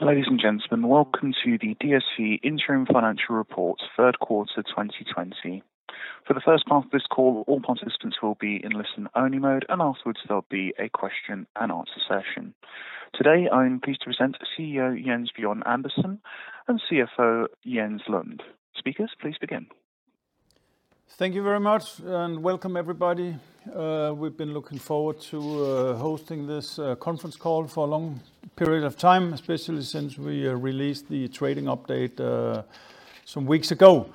Ladies and gentlemen, welcome to the DSV Interim Financial Report, third quarter 2020. For the first part of this call, all participants will be in listen-only mode, and afterwards, there'll be a question and answer session. Today, I'm pleased to present CEO Jens Bjørn Andersen and CFO Jens Lund. Speakers, please begin. Thank you very much, welcome everybody. We've been looking forward to hosting this conference call for a long period of time, especially since we released the trading update some weeks ago.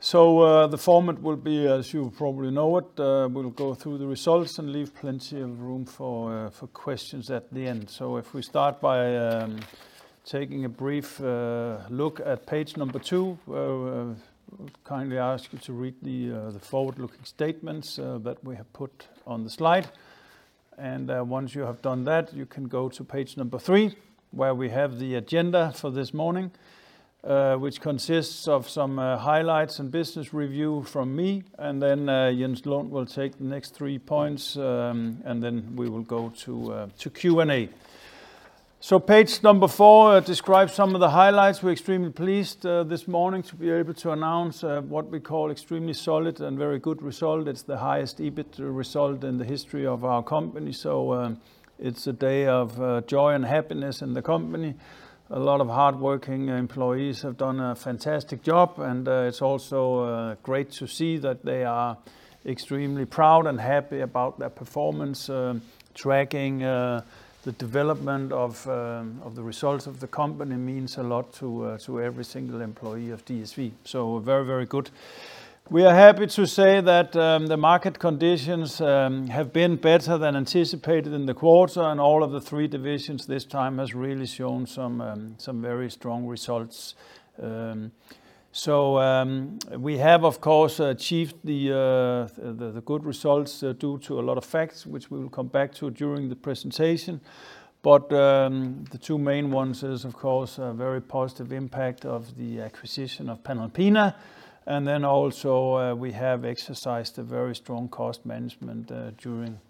The format will be, as you probably know it, we'll go through the results and leave plenty of room for questions at the end. If we start by taking a brief look at page number 2, where we kindly ask you to read the forward-looking statements that we have put on the slide. Once you have done that, you can go to page number 3, where we have the agenda for this morning, which consists of some highlights and business review from me, and then Jens Lund will take the next 3 points, and then we will go to Q&A. Page number 4 describes some of the highlights. We're extremely pleased this morning to be able to announce what we call extremely solid and very good result. It's the highest EBIT result in the history of our company. It's a day of joy and happiness in the company. A lot of hardworking employees have done a fantastic job, and it's also great to see that they are extremely proud and happy about their performance. Tracking the development of the results of the company means a lot to every single employee of DSV. Very, very good. We are happy to say that the market conditions have been better than anticipated in the quarter, and all of the three divisions this time has really shown some very strong results. We have, of course, achieved the good results due to a lot of facts, which we will come back to during the presentation. The two main ones is, of course, a very positive impact of the acquisition of Panalpina. Also, we have exercised a very strong cost management during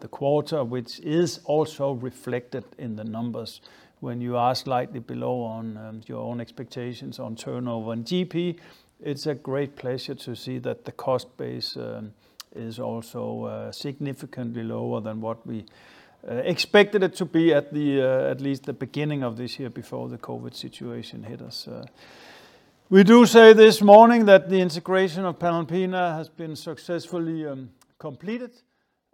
the quarter, which is also reflected in the numbers. When you are slightly below on your own expectations on turnover and GP, it's a great pleasure to see that the cost base is also significantly lower than what we expected it to be at least the beginning of this year before the COVID situation hit us. We do say this morning that the integration of Panalpina has been successfully completed.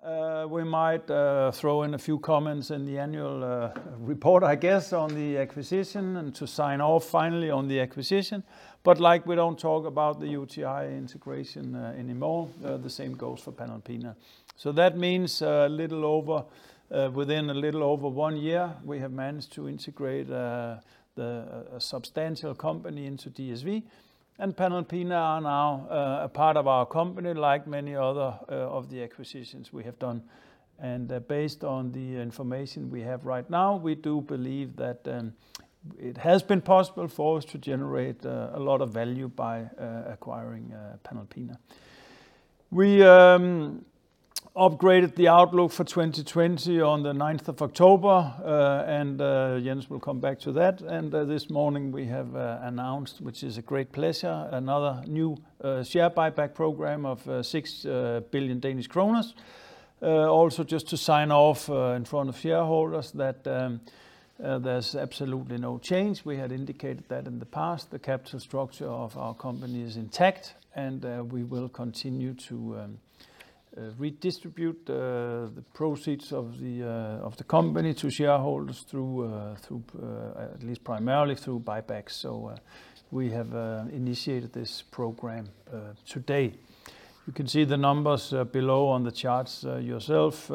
We might throw in a few comments in the annual report, I guess, on the acquisition and to sign off finally on the acquisition. Like we don't talk about the UTi integration anymore, the same goes for Panalpina. That means within a little over one year, we have managed to integrate a substantial company into DSV, and Panalpina are now a part of our company, like many other of the acquisitions we have done. Based on the information we have right now, we do believe that it has been possible for us to generate a lot of value by acquiring Panalpina. We upgraded the outlook for 2020 on the 9th of October, and Jens will come back to that. This morning we have announced, which is a great pleasure, another new share buyback program of 6 billion Danish kroner. Also, just to sign off in front of shareholders that there's absolutely no change. We had indicated that in the past, the capital structure of our company is intact, and we will continue to redistribute the proceeds of the company to shareholders at least primarily through buybacks. We have initiated this program today. You can see the numbers below on the charts yourself.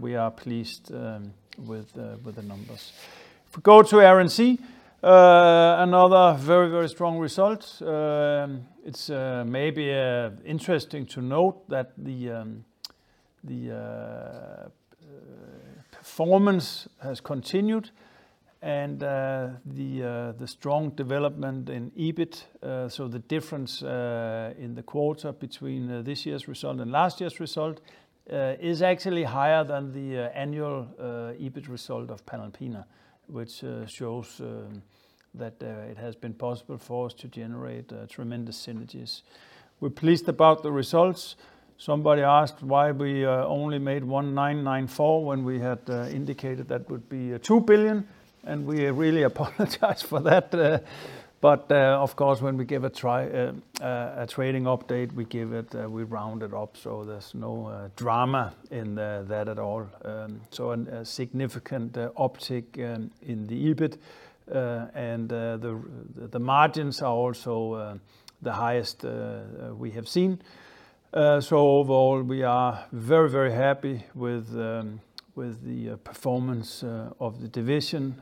We are pleased with the numbers. If we go to Air & Sea, another very, very strong result. It's maybe interesting to note that the performance has continued and the strong development in EBIT, the difference in the quarter between this year's result and last year's result, is actually higher than the annual EBIT result of Panalpina, which shows that it has been possible for us to generate tremendous synergies. We're pleased about the results. Somebody asked why we only made 1,994 when we had indicated that would be 2 billion, and we really apologize for that. Of course, when we give a trading update, we round it up, so there's no drama in that at all. A significant uptick in the EBIT, and the margins are also the highest we have seen. Overall, we are very happy with the performance of the division.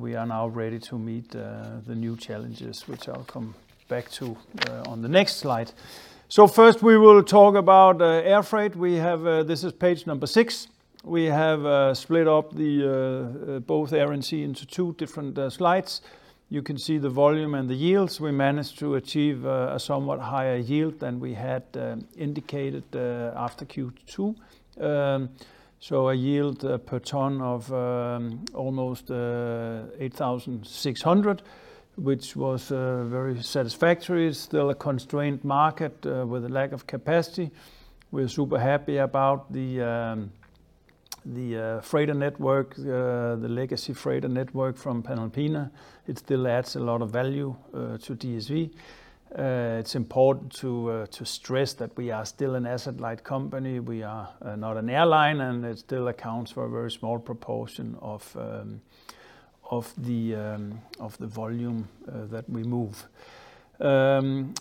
We are now ready to meet the new challenges, which I'll come back to on the next slide. First, we will talk about air freight. This is page number 6. We have split up both Air and Sea into two different slides. You can see the volume and the yields. We managed to achieve a somewhat higher yield than we had indicated after Q2. A yield per ton of almost 8,600, which was very satisfactory. Still a constrained market with a lack of capacity. We're super happy about the legacy freighter network from Panalpina. It still adds a lot of value to DSV. It's important to stress that we are still an asset-light company. We are not an airline, and it still accounts for a very small proportion of the volume that we move.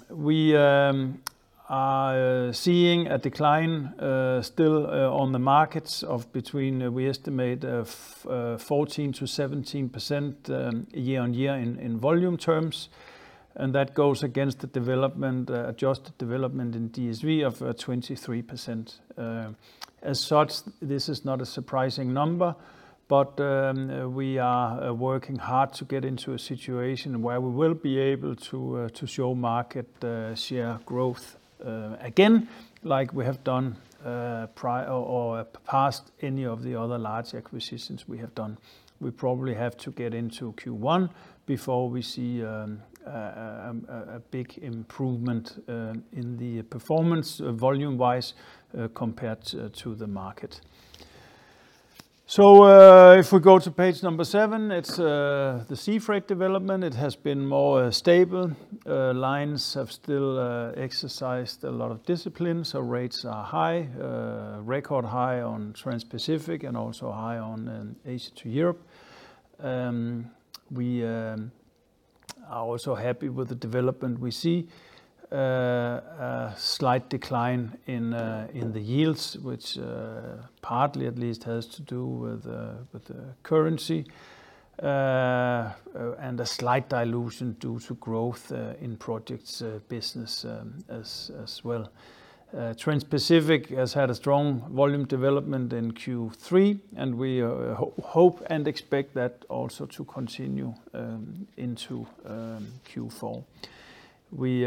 We are seeing a decline still on the markets of between, we estimate, 14%-17% year-on-year in volume terms. That goes against the adjusted development in DSV of 23%. As such, this is not a surprising number, but we are working hard to get into a situation where we will be able to show market share growth again, like we have done past any of the other large acquisitions we have done. We probably have to get into Q1 before we see a big improvement in the performance volume-wise, compared to the market. If we go to page number seven, it's the sea freight development. It has been more stable. Lines have still exercised a lot of discipline, so rates are high. Record high on Transpacific and also high on Asia to Europe. We are also happy with the development we see. A slight decline in the yields, which partly at least has to do with the currency, and a slight dilution due to growth in projects business as well. Transpacific has had a strong volume development in Q3, and we hope and expect that also to continue into Q4. We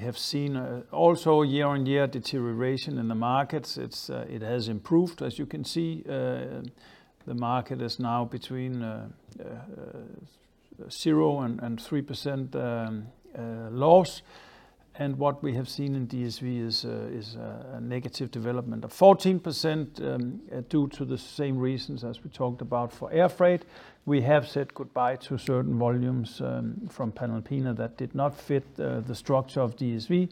have seen also year-on-year deterioration in the markets. It has improved, as you can see. The market is now between 0% and 3% loss. What we have seen in DSV is a negative development of 14% due to the same reasons as we talked about for air freight. We have said goodbye to certain volumes from Panalpina that did not fit the structure of DSV.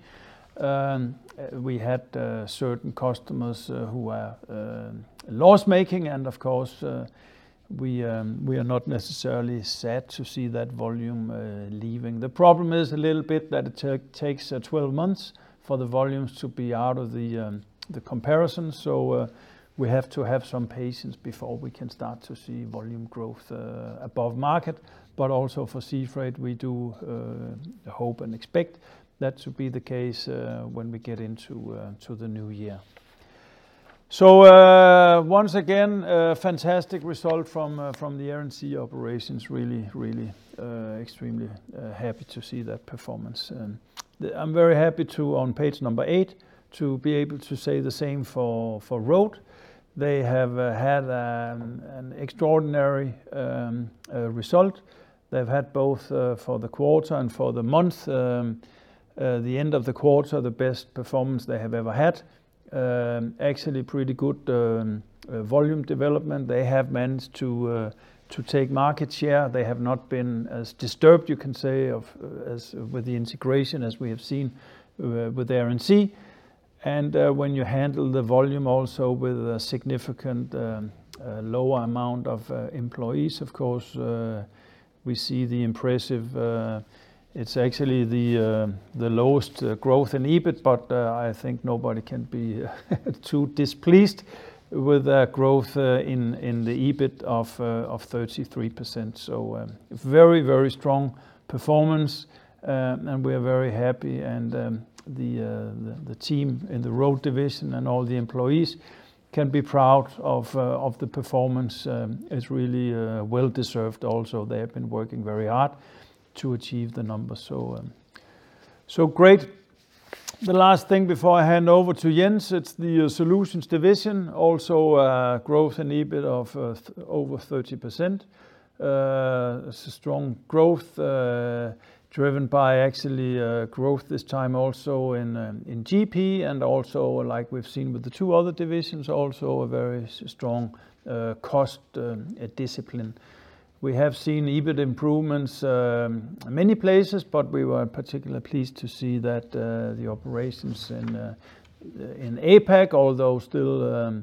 We had certain customers who are loss-making, and of course, we are not necessarily sad to see that volume leaving. The problem is a little bit that it takes 12 months for the volumes to be out of the comparison, so we have to have some patience before we can start to see volume growth above market. Also for sea freight, we do hope and expect that to be the case when we get into the new year. Once again, fantastic result from the Air & Sea operations. Really extremely happy to see that performance. I'm very happy to, on page number eight, to be able to say the same for Road. They have had an extraordinary result. They've had both for the quarter and for the month, the end of the quarter, the best performance they have ever had. Actually pretty good volume development. They have managed to take market share. They have not been as disturbed, you can say, with the integration as we have seen with Air & Sea. When you handle the volume also with a significant lower amount of employees, of course, we see. It's actually the lowest growth in EBIT, but I think nobody can be too displeased with a growth in the EBIT of 33%. Very strong performance, and we are very happy. The team in the Road Division and all the employees can be proud of the performance. It's really well-deserved also. They have been working very hard to achieve the numbers. Great. The last thing before I hand over to Jens, it's the Solutions division. Growth in EBIT of over 30%. Strong growth, driven by actually growth this time also in GP and also, like we've seen with the two other divisions, also a very strong cost discipline. We have seen EBIT improvements many places, but we were particularly pleased to see that the operations in APAC, although still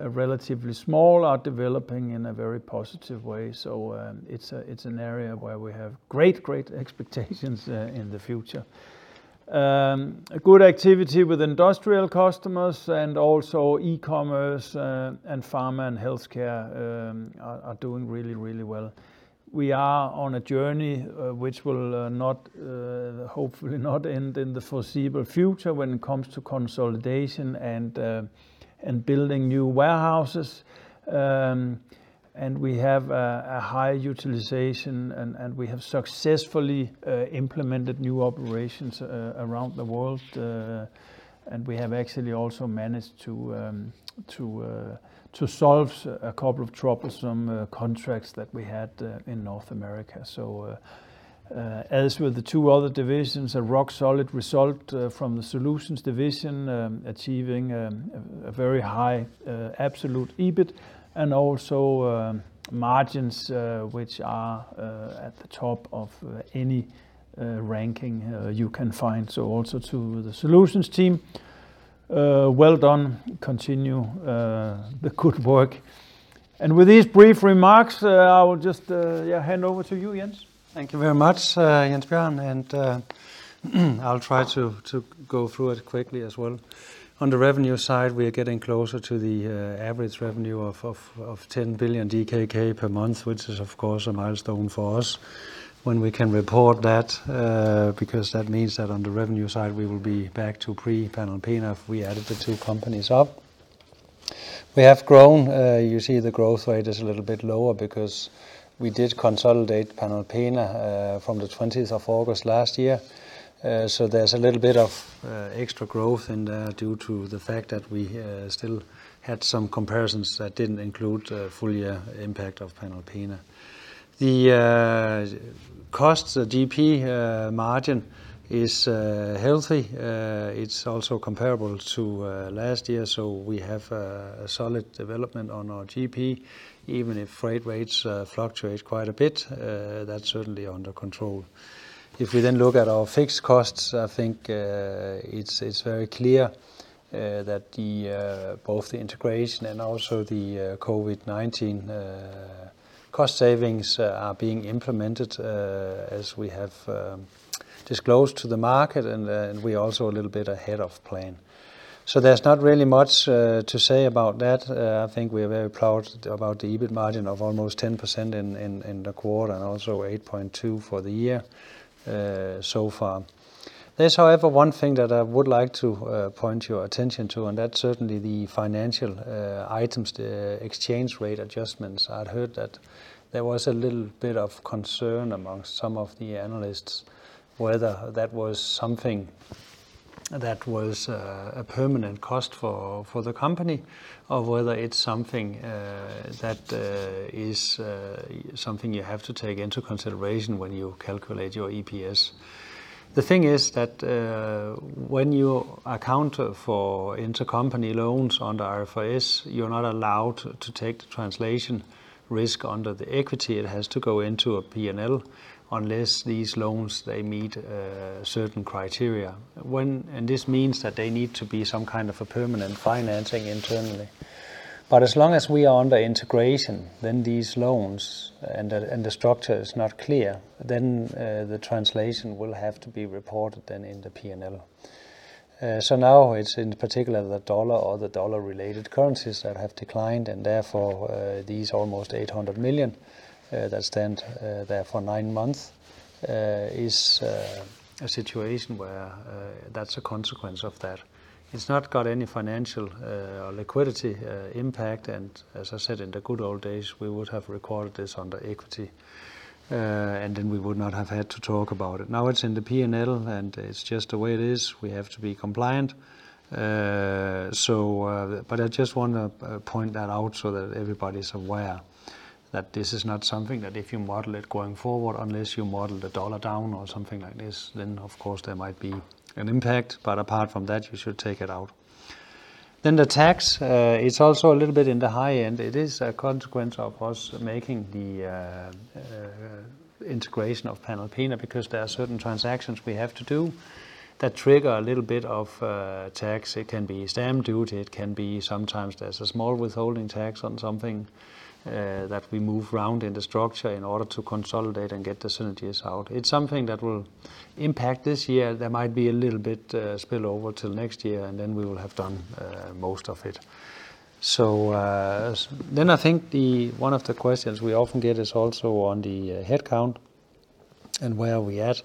relatively small, are developing in a very positive way. It's an area where we have great expectations in the future. Good activity with industrial customers and also e-commerce and pharma and healthcare are doing really well. We are on a journey, which will hopefully not end in the foreseeable future when it comes to consolidation and building new warehouses. We have a high utilization and we have successfully implemented new operations around the world. We have actually also managed to solve a couple of troublesome contracts that we had in North America. As with the two other divisions, a rock-solid result from the Solutions division, achieving a very high absolute EBIT and also margins which are at the top of any ranking you can find. Also to the Solutions team, well done. Continue the good work. With these brief remarks, I will just hand over to you, Jens. Thank you very much, Jens Bjørn. I'll try to go through it quickly as well. On the revenue side, we are getting closer to the average revenue of 10 billion DKK per month, which is of course a milestone for us when we can report that because that means that on the revenue side, we will be back to pre-Panalpina if we added the two companies up. We have grown. You see the growth rate is a little bit lower because we did consolidate Panalpina from the 20th of August last year. There's a little bit of extra growth in there due to the fact that we still had some comparisons that didn't include the full year impact of Panalpina. The costs, the GP margin is healthy. It's also comparable to last year, so we have a solid development on our GP, even if freight rates fluctuate quite a bit. That's certainly under control. If we then look at our fixed costs, I think it's very clear that both the integration and also the COVID-19 cost savings are being implemented as we have disclosed to the market, and we are also a little bit ahead of plan. There's not really much to say about that. I think we are very proud about the EBIT margin of almost 10% in the quarter, and also 8.2% for the year so far. There's however, one thing that I would like to point your attention to, and that's certainly the financial items, the exchange rate adjustments. I'd heard that there was a little bit of concern among some of the analysts whether that was something that was a permanent cost for the company, or whether it's something that is something you have to take into consideration when you calculate your EPS. The thing is that when you account for intercompany loans under IFRS, you're not allowed to take the translation risk under the equity. It has to go into a P&L unless these loans, they meet certain criteria. This means that they need to be some kind of a permanent financing internally. As long as we are under integration, then these loans and the structure is not clear, then the translation will have to be reported then in the P&L. Now it's in particular the dollar or the dollar-related currencies that have declined and therefore, these almost 800 million that stand there for nine months is a situation where that's a consequence of that. It's not got any financial or liquidity impact, and as I said, in the good old days, we would have recorded this under equity, and then we would not have had to talk about it. Now it's in the P&L, and it's just the way it is. We have to be compliant. I just want to point that out so that everybody's aware that this is not something that if you model it going forward, unless you model the dollar down or something like this, then of course there might be an impact. Apart from that, you should take it out. The tax, it's also a little bit in the high end. It is a consequence of us making the integration of Panalpina because there are certain transactions we have to do that trigger a little bit of tax. It can be stamp duty, it can be sometimes there's a small withholding tax on something that we move around in the structure in order to consolidate and get the synergies out. It's something that will impact this year. There might be a little bit spillover until next year, and then we will have done most of it. I think one of the questions we often get is also on the headcount and where are we at?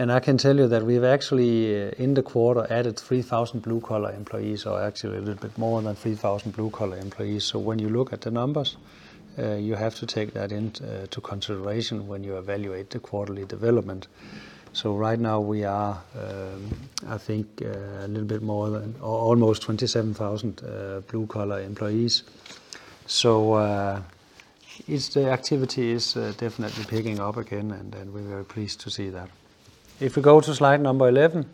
I can tell you that we've actually, in the quarter, added 3,000 blue-collar employees or actually a little bit more than 3,000 blue-collar employees. When you look at the numbers, you have to take that into consideration when you evaluate the quarterly development. Right now we are, I think, a little bit more than almost 27,000 blue-collar employees. The activity is definitely picking up again, and we're very pleased to see that. If we go to slide number 11,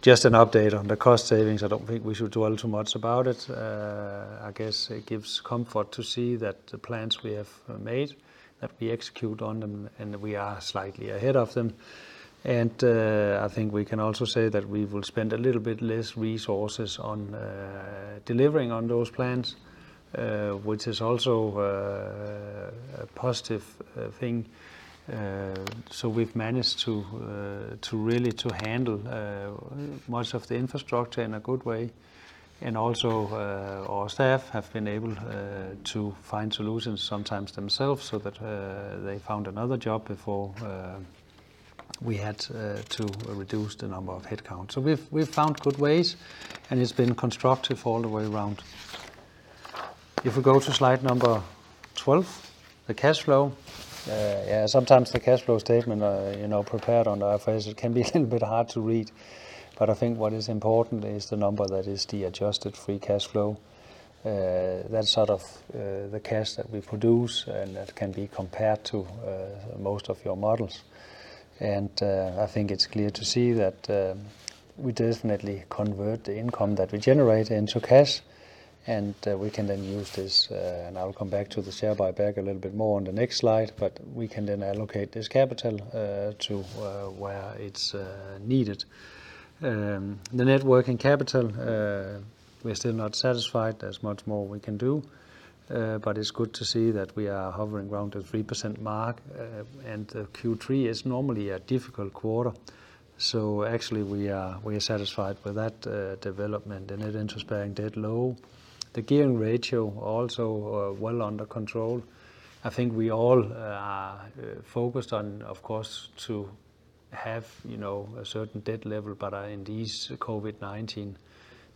just an update on the cost savings. I don't think we should dwell too much about it. I guess it gives comfort to see that the plans we have made, that we execute on them, and we are slightly ahead of them. I think we can also say that we will spend a little bit less resources on delivering on those plans, which is also a positive thing. We've managed to really handle most of the infrastructure in a good way, and also our staff have been able to find solutions, sometimes themselves, so that they found another job before we had to reduce the number of headcounts. We've found good ways, and it's been constructive all the way around. If we go to slide number 12, the cash flow. Sometimes the cash flow statement prepared on IFRS can be a little bit hard to read, but I think what is important is the number that is the adjusted free cash flow. That's sort of the cash that we produce, and that can be compared to most of your models. I think it's clear to see that we definitely convert the income that we generate into cash, and we can then use this, and I'll come back to the share buyback a little bit more on the next slide, but we can then allocate this capital to where it's needed. The net working capital, we're still not satisfied. There's much more we can do, but it's good to see that we are hovering around the 3% mark. Q3 is normally a difficult quarter. Actually we are satisfied with that development. The net interest bearing debt low. The gearing ratio, also well under control. I think we all are focused on, of course, to have a certain debt level. In these COVID-19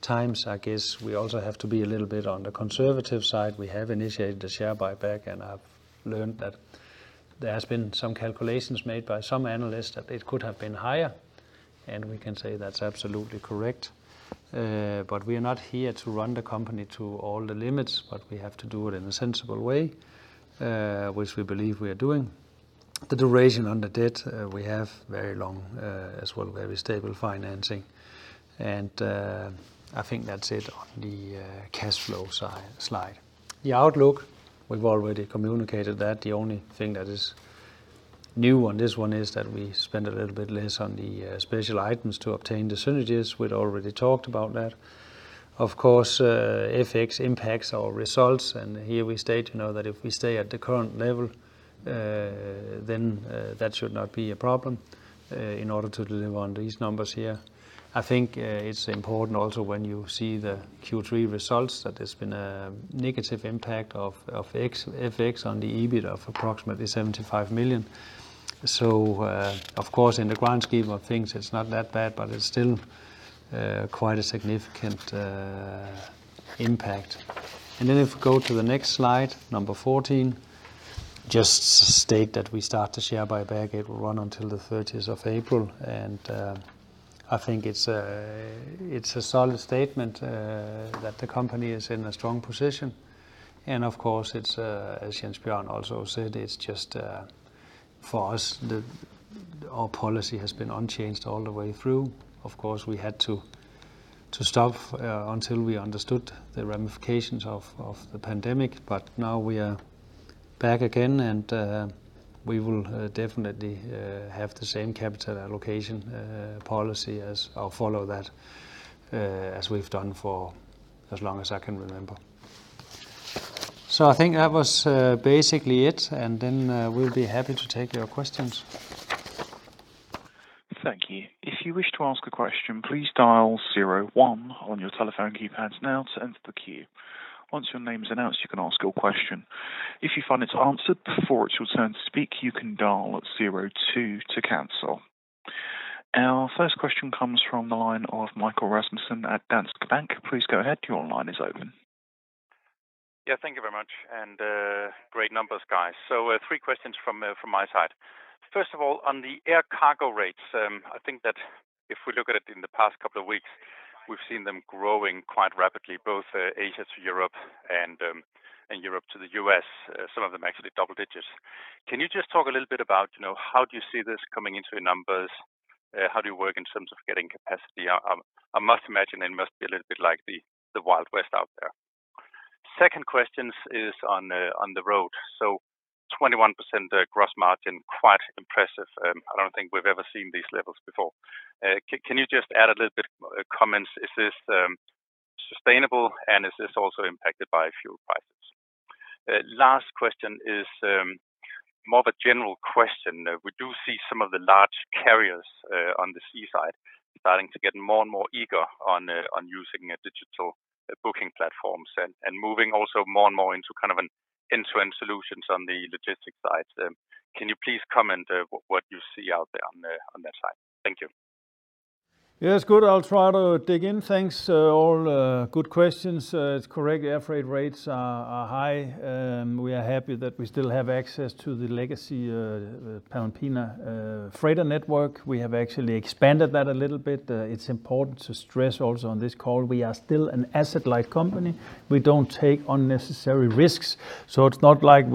times, I guess we also have to be a little bit on the conservative side. We have initiated the share buyback, I've learned that there has been some calculations made by some analysts that it could have been higher, We can say that's absolutely correct. We are not here to run the company to all the limits, but we have to do it in a sensible way, which we believe we are doing. The duration on the debt, we have very long, as well, very stable financing. I think that's it on the cash flow slide. The outlook, we've already communicated that. The only thing that is new on this one is that we spend a little bit less on the special items to obtain the synergies. We had already talked about that. Of course, FX impacts our results, and here we state to know that if we stay at the current level, then that should not be a problem in order to deliver on these numbers here. I think it's important also when you see the Q3 results, that there's been a negative impact of FX on the EBIT of approximately 75 million. Of course, in the grand scheme of things, it's not that bad, but it's still quite a significant impact. If we go to the next slide 14, just state that we start the share buyback. It will run until the 30th of April. I think it's a solid statement that the company is in a strong position. Of course, as Jens Bjørn also said, it's just for us that our policy has been unchanged all the way through. Of course, we had to stop until we understood the ramifications of the pandemic. Now we are back again, and we will definitely have the same capital allocation policy as, or follow that, as we've done for as long as I can remember. I think that was basically it, and then we'll be happy to take your questions. Thank you. If you wish to ask a question, please dial zero one on your telephone keypads now to enter the queue. Once your name's announced, you can ask your question. If you find it's answered before it's your turn to speak, you can dial zero two to cancel. Our first question comes from the line of Michael Vitfell-Rasmussen at Danske Bank. Please go ahead. Your line is open. Thank you very much. Great numbers, guys. Three questions from my side. First of all, on the air cargo rates, I think that if we look at it in the past couple of weeks, we've seen them growing quite rapidly, both Asia to Europe and Europe to the U.S., some of them actually double digits. Can you just talk a little bit about how do you see this coming into your numbers? How do you work in terms of getting capacity up? I must imagine it must be a little bit like the Wild West out there. Second question is on the road. 21% gross margin, quite impressive. I don't think we've ever seen these levels before. Can you just add a little bit comments? Is this sustainable, and is this also impacted by fuel prices? Last question is more of a general question. We do see some of the large carriers on the sea side starting to get more and more eager on using digital booking platforms and moving also more and more into end-to-end solutions on the logistics side. Can you please comment what you see out there on that side? Thank you. Yeah, it's good. I'll try to dig in. Thanks. All good questions. It's correct, air freight rates are high. We are happy that we still have access to the legacy Panalpina freighter network. We have actually expanded that a little bit. It's important to stress also on this call, we are still an asset-light company. We don't take unnecessary risks. It's not like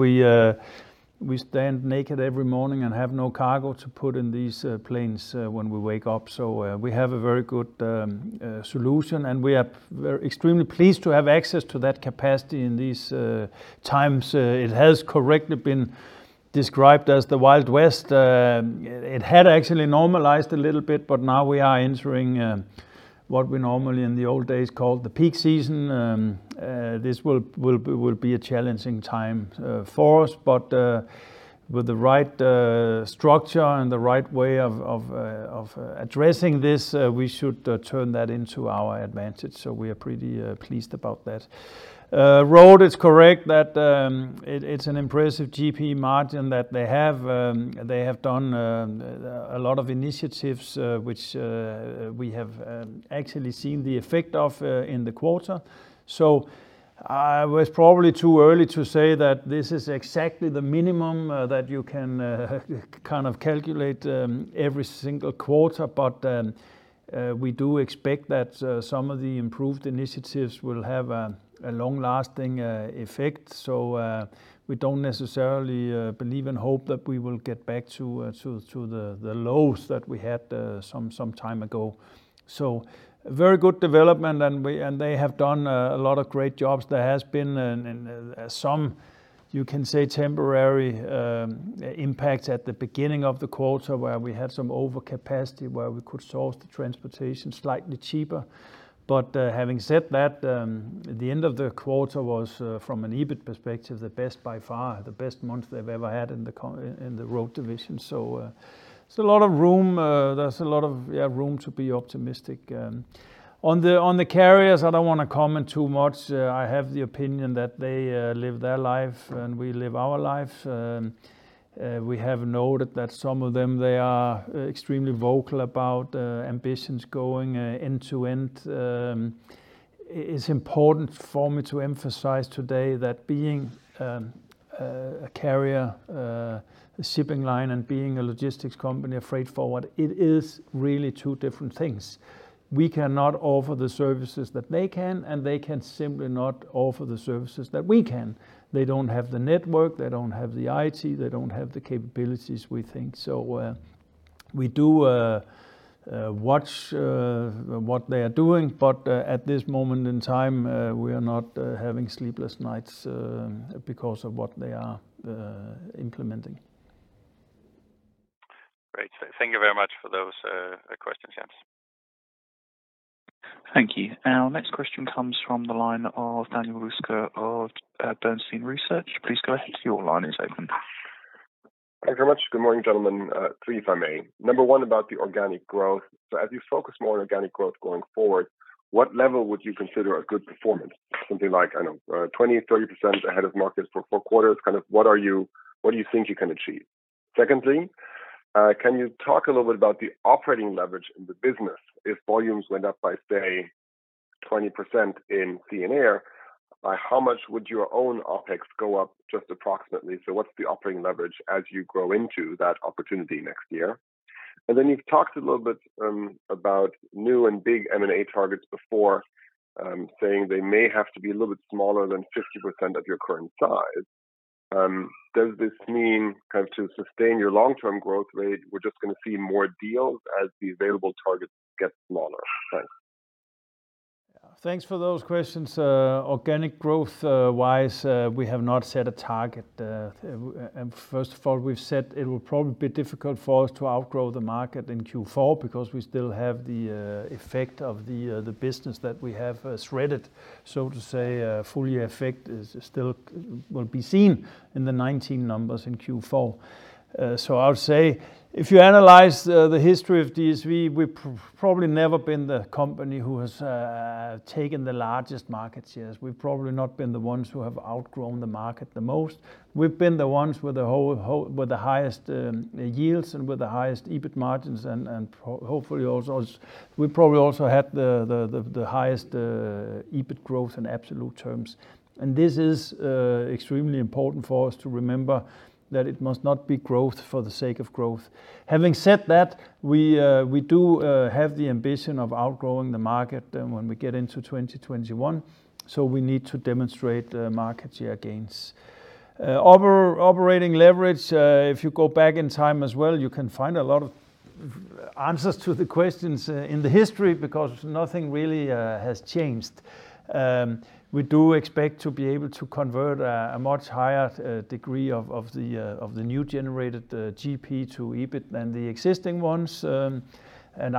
we stand naked every morning and have no cargo to put in these planes when we wake up. We have a very good solution, and we are extremely pleased to have access to that capacity in these times. It has correctly been described as the Wild West. It had actually normalized a little bit. Now we are entering. What we normally in the old days called the peak season, this will be a challenging time for us. With the right structure and the right way of addressing this, we should turn that into our advantage. We are pretty pleased about that. Road, it's correct that it's an impressive GP margin that they have. They have done a lot of initiatives, which we have actually seen the effect of in the quarter. It was probably too early to say that this is exactly the minimum that you can calculate every single quarter. We do expect that some of the improved initiatives will have a long-lasting effect. We don't necessarily believe and hope that we will get back to the lows that we had some time ago. Very good development, and they have done a lot of great jobs. There has been some, you can say, temporary impact at the beginning of the quarter, where we had some overcapacity where we could source the transportation slightly cheaper. Having said that, at the end of the quarter was, from an EBIT perspective, the best by far, the best month they've ever had in the Road division. There's a lot of room to be optimistic. On the carriers, I don't want to comment too much. I have the opinion that they live their life, and we live our life. We have noted that some of them, they are extremely vocal about ambitions going end-to-end. It's important for me to emphasize today that being a carrier, a shipping line, and being a logistics company, a freight forwarder, it is really two different things. We cannot offer the services that they can, and they can simply not offer the services that we can. They don't have the network. They don't have the IT. They don't have the capabilities we think. We do watch what they are doing. At this moment in time, we are not having sleepless nights because of what they are implementing. Great. Thank you very much for those questions, Jens. Thank you. Our next question comes from the line of Daniel Roeska of Bernstein Research. Please go ahead. Your line is open. Thank you very much. Good morning, gentlemen. Three, if I may. Number one, about the organic growth. As you focus more on organic growth going forward, what level would you consider a good performance? Something like, I don't know, 20%, 30% ahead of market for four quarters. What do you think you can achieve? Secondly, can you talk a little bit about the operating leverage in the business? If volumes went up by, say, 20% in Sea and Air, by how much would your own OpEx go up, just approximately? What's the operating leverage as you grow into that opportunity next year? You've talked a little bit about new and big M&A targets before, saying they may have to be a little bit smaller than 50% of your current size. Does this mean to sustain your long-term growth rate, we're just going to see more deals as the available targets get smaller? Thanks. Thanks for those questions. Organic growth-wise, we have not set a target. First of all, we've said it will probably be difficult for us to outgrow the market in Q4 because we still have the effect of the business that we have shedded, so to say. Full-year effect still will be seen in the 2019 numbers in Q4. I would say, if you analyze the history of DSV, we've probably never been the company who has taken the largest market shares. We've probably not been the ones who have outgrown the market the most. We've been the ones with the highest yields and with the highest EBIT margins, and hopefully, we probably also had the highest EBIT growth in absolute terms. This is extremely important for us to remember that it must not be growth for the sake of growth. Having said that, we do have the ambition of outgrowing the market when we get into 2021. We need to demonstrate market share gains. Operating leverage, if you go back in time as well, you can find a lot of answers to the questions in the history because nothing really has changed. We do expect to be able to convert a much higher degree of the new generated GP to EBIT than the existing ones. I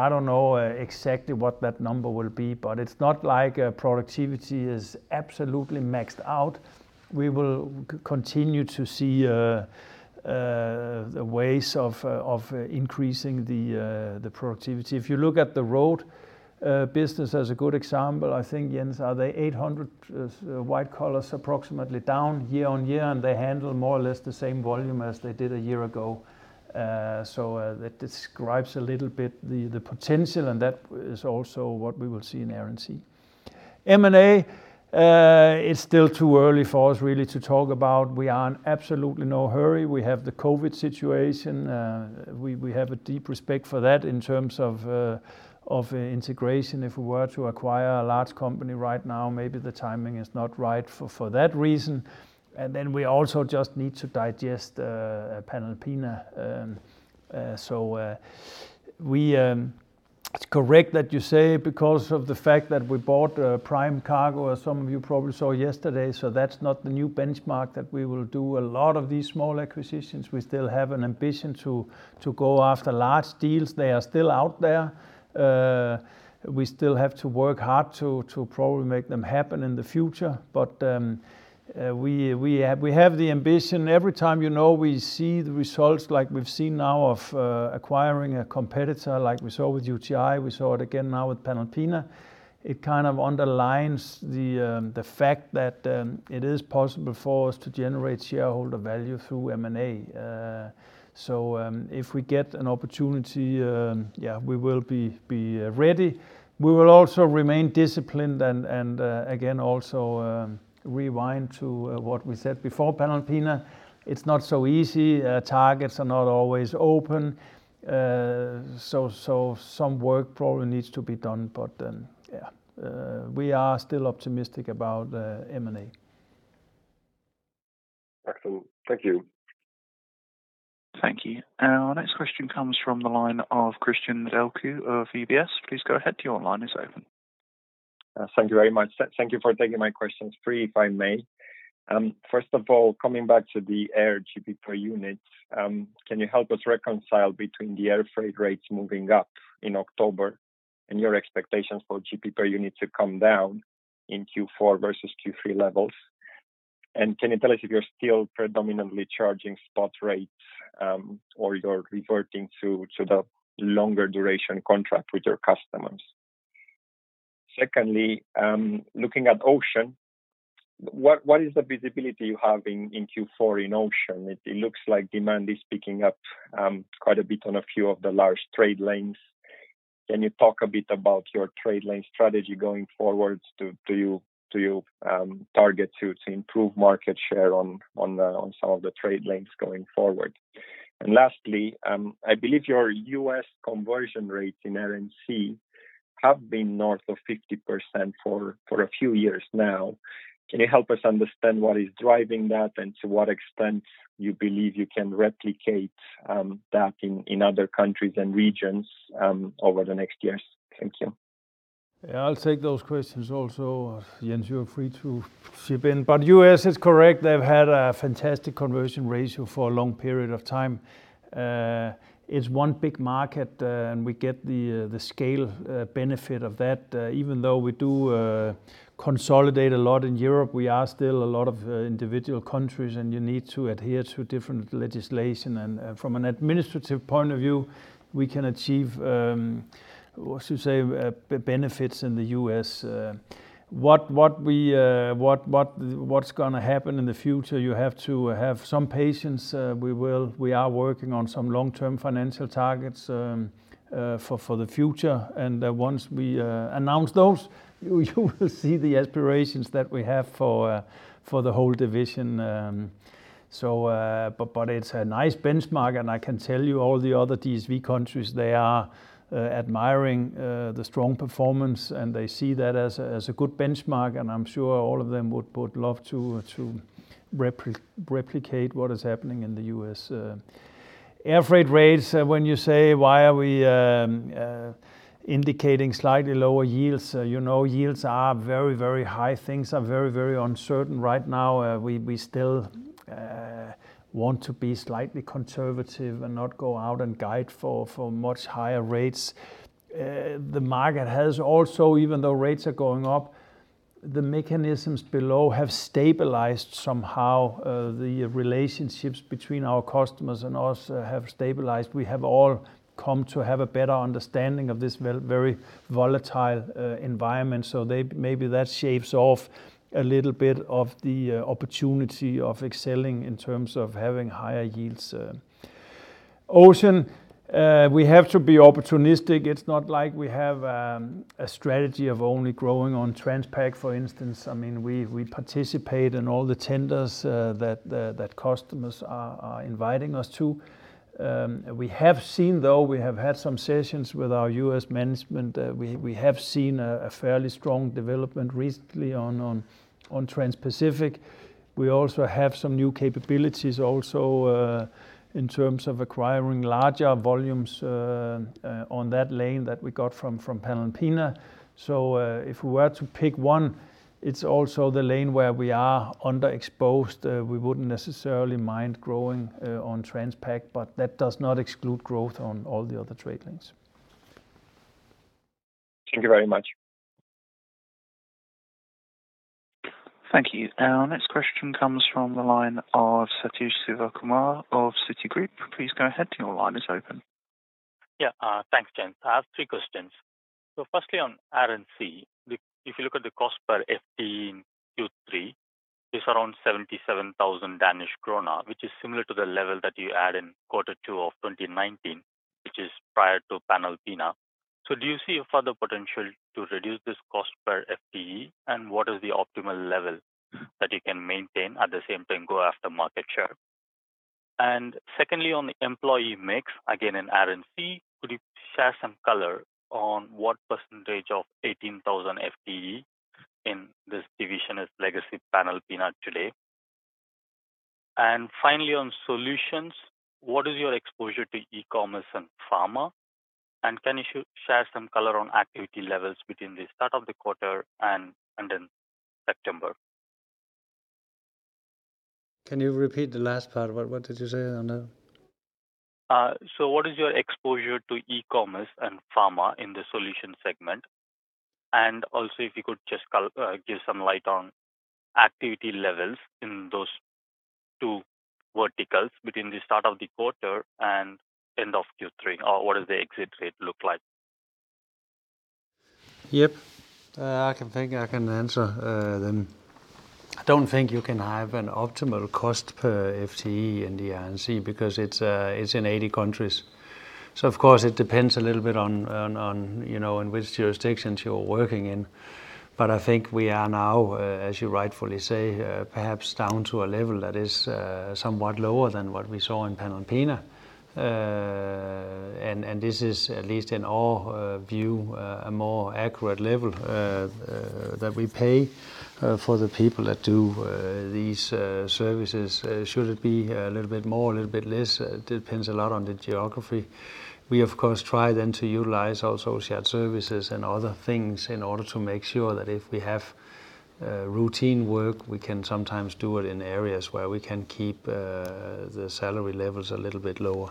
don't know exactly what that number will be. It's not like productivity is absolutely maxed out. We will continue to see ways of increasing the productivity. If you look at the Road business as a good example, I think, Jens, are they 800 white collars approximately down year-on-year. They handle more or less the same volume as they did a year ago. That describes a little bit the potential, and that is also what we will see in Air & Sea. M&A, it is still too early for us really to talk about. We are in absolutely no hurry. We have the COVID situation. We have a deep respect for that in terms of integration. If we were to acquire a large company right now, maybe the timing is not right for that reason. We also just need to digest Panalpina. It is correct that you say because of the fact that we bought Prime Cargo, as some of you probably saw yesterday, so that is not the new benchmark, that we will do a lot of these small acquisitions. We still have an ambition to go after large deals. They are still out there. We still have to work hard to probably make them happen in the future. We have the ambition. Every time we see the results like we've seen now of acquiring a competitor, like we saw with UTi, we saw it again now with Panalpina, it kind of underlines the fact that it is possible for us to generate shareholder value through M&A. If we get an opportunity, yeah, we will be ready. We will also remain disciplined and, again, also rewind to what we said before Panalpina, it's not so easy. Targets are not always open. Some work probably needs to be done, but yeah. We are still optimistic about M&A. Excellent. Thank you. Thank you. Our next question comes from the line of Cristian Nedelcu of UBS. Please go ahead, your line is open. Thank you very much. Thank you for taking my questions. Three, if I may. First of all, coming back to the Air GP per unit, can you help us reconcile between the air freight rates moving up in October and your expectations for GP per unit to come down in Q4 versus Q3 levels? Can you tell us if you're still predominantly charging spot rates, or you're reverting to the longer duration contract with your customers? Secondly, looking at Ocean, what is the visibility you have in Q4 in Ocean? It looks like demand is picking up quite a bit on a few of the large trade lanes. Can you talk a bit about your trade lane strategy going forward? Do you target to improve market share on some of the trade lanes going forward? Lastly, I believe your U.S. conversion rates in Air & Sea have been north of 50% for a few years now. Can you help us understand what is driving that and to what extent you believe you can replicate that in other countries and regions over the next years? Thank you. Yeah, I'll take those questions also. Jens, you are free to chip in. U.S. is correct. They've had a fantastic conversion ratio for a long period of time. It's one big market, and we get the scale benefit of that. Even though we do consolidate a lot in Europe, we are still a lot of individual countries, and you need to adhere to different legislation. From an administrative point of view, we can achieve, what to say, benefits in the U.S. What's going to happen in the future, you have to have some patience. We are working on some long-term financial targets for the future. Once we announce those, you will see the aspirations that we have for the whole division. It's a nice benchmark, and I can tell you all the other DSV countries, they are admiring the strong performance, and they see that as a good benchmark, and I'm sure all of them would love to replicate what is happening in the U.S. Air freight rates, when you say why are we indicating slightly lower yields, you know yields are very high. Things are very uncertain right now. We still want to be slightly conservative and not go out and guide for much higher rates. The market has also, even though rates are going up, the mechanisms below have stabilized somehow. The relationships between our customers and us have stabilized. We have all come to have a better understanding of this very volatile environment. Maybe that shaves off a little bit of the opportunity of excelling in terms of having higher yields. Ocean, we have to be opportunistic. It's not like we have a strategy of only growing on Transpacific, for instance. We participate in all the tenders that customers are inviting us to. We have seen, though, we have had some sessions with our U.S. management. We have seen a fairly strong development recently on Transpacific. We also have some new capabilities also in terms of acquiring larger volumes on that lane that we got from Panalpina. If we were to pick one, it's also the lane where we are underexposed. We wouldn't necessarily mind growing on Transpacific, but that does not exclude growth on all the other trade lanes. Thank you very much. Thank you. Our next question comes from the line of Sathish Sivakumar of Citigroup. Please go ahead. Your line is open. Yeah. Thanks, Jens. I have three questions. Firstly, on Air & Sea, if you look at the cost per FTE in Q3, it's around 77,000 Danish krone, which is similar to the level that you had in Q2 of 2019, which is prior to Panalpina. Do you see a further potential to reduce this cost per FTE, and what is the optimal level that you can maintain, at the same time, go after market share? Secondly, on the employee mix, again, in Air & Sea, could you share some color on what percentage of 18,000 FTE in this division is legacy Panalpina today? Finally, on Solutions, what is your exposure to e-commerce and pharma? Can you share some color on activity levels between the start of the quarter and end in September? Can you repeat the last part? What did you say? What is your exposure to e-commerce and pharma in the Solutions segment? Also if you could just give some light on activity levels in those two verticals between the start of the quarter and end of Q3, or what does the exit rate look like? Yep. I think I can answer them. I don't think you can have an optimal cost per FTE in the Air & Sea because it's in 80 countries. Of course, it depends a little bit on which jurisdictions you're working in. I think we are now, as you rightfully say, perhaps down to a level that is somewhat lower than what we saw in Panalpina. This is, at least in our view, a more accurate level that we pay for the people that do these services. Should it be a little bit more, a little bit less? It depends a lot on the geography. We, of course, try then to utilize also shared services and other things in order to make sure that if we have routine work, we can sometimes do it in areas where we can keep the salary levels a little bit lower.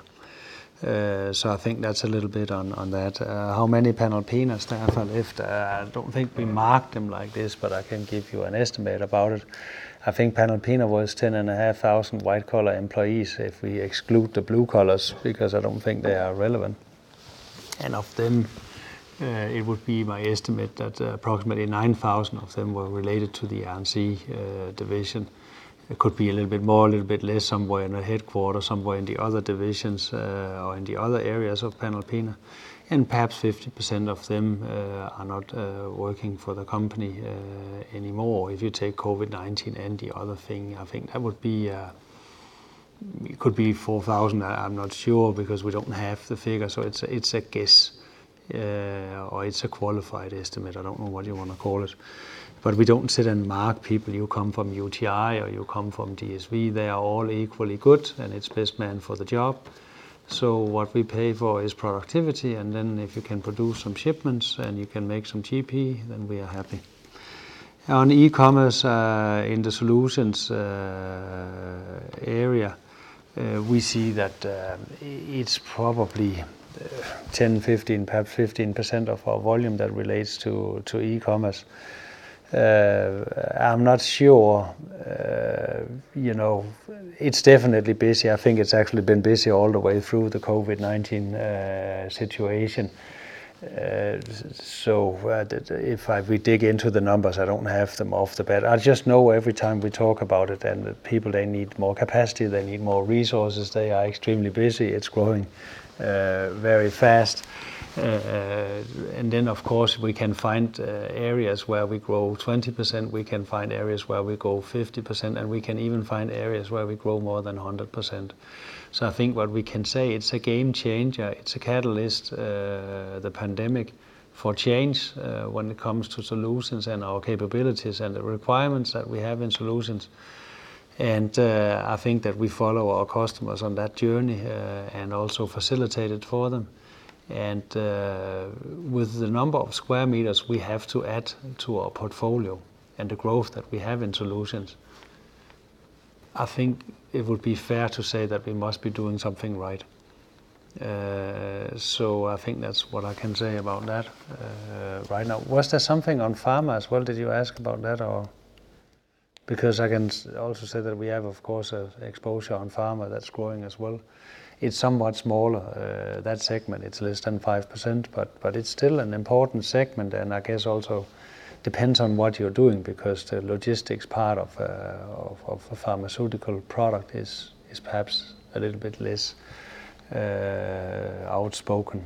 I think that's a little bit on that. How many Panalpina staff are left? I don't think we mark them like this, but I can give you an estimate about it. I think Panalpina was 10,500 white-collar employees, if we exclude the blue collars, because I don't think they are relevant. Of them, it would be my estimate that approximately 9,000 of them were related to the Air & Sea division. It could be a little bit more, a little bit less, somewhere in the headquarters, somewhere in the other divisions, or in the other areas of Panalpina. Perhaps 50% of them are not working for the company anymore. If you take COVID-19 and the other thing, I think it could be 4,000. I'm not sure because we don't have the figure, so it's a guess, or it's a qualified estimate. I don't know what you want to call it. We don't sit and mark people. You come from UTi or you come from DSV, they are all equally good, and it's best man for the job. What we pay for is productivity, and if you can produce some shipments and you can make some GP, we are happy. On e-commerce in the Solutions area, we see that it's probably 10%, 15%, perhaps 15% of our volume that relates to e-commerce. I'm not sure. It's definitely busy. I think it's actually been busy all the way through the COVID-19 situation. If we dig into the numbers, I don't have them off the bat. I just know every time we talk about it, the people, they need more capacity, they need more resources. They are extremely busy. It's growing very fast. Of course, we can find areas where we grow 20%, we can find areas where we grow 50%, and we can even find areas where we grow more than 100%. I think what we can say, it's a game changer. It's a catalyst, the pandemic, for change when it comes to Solutions and our capabilities and the requirements that we have in Solutions. I think that we follow our customers on that journey and also facilitate it for them. With the number of sq m we have to add to our portfolio and the growth that we have in Solutions, I think it would be fair to say that we must be doing something right. I think that's what I can say about that right now. Was there something on pharma as well? Did you ask about that, or? Because I can also say that we have, of course, exposure on pharma that's growing as well. It's somewhat smaller, that segment. It's less than 5%, but it's still an important segment and I guess also depends on what you're doing because the logistics part of a pharmaceutical product is perhaps a little bit less outspoken.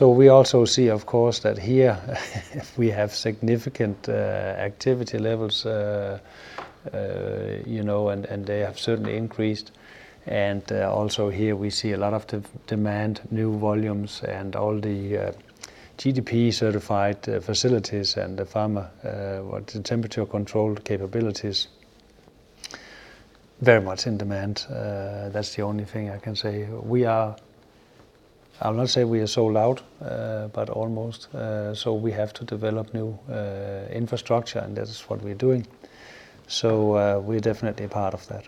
We also see, of course, that here we have significant activity levels, and they have certainly increased. Also here we see a lot of demand, new volumes, and all the GDP-certified facilities and the pharma temperature-controlled capabilities very much in demand. That's the only thing I can say. I'll not say we are sold out, but almost. We have to develop new infrastructure, and this is what we're doing. We're definitely part of that.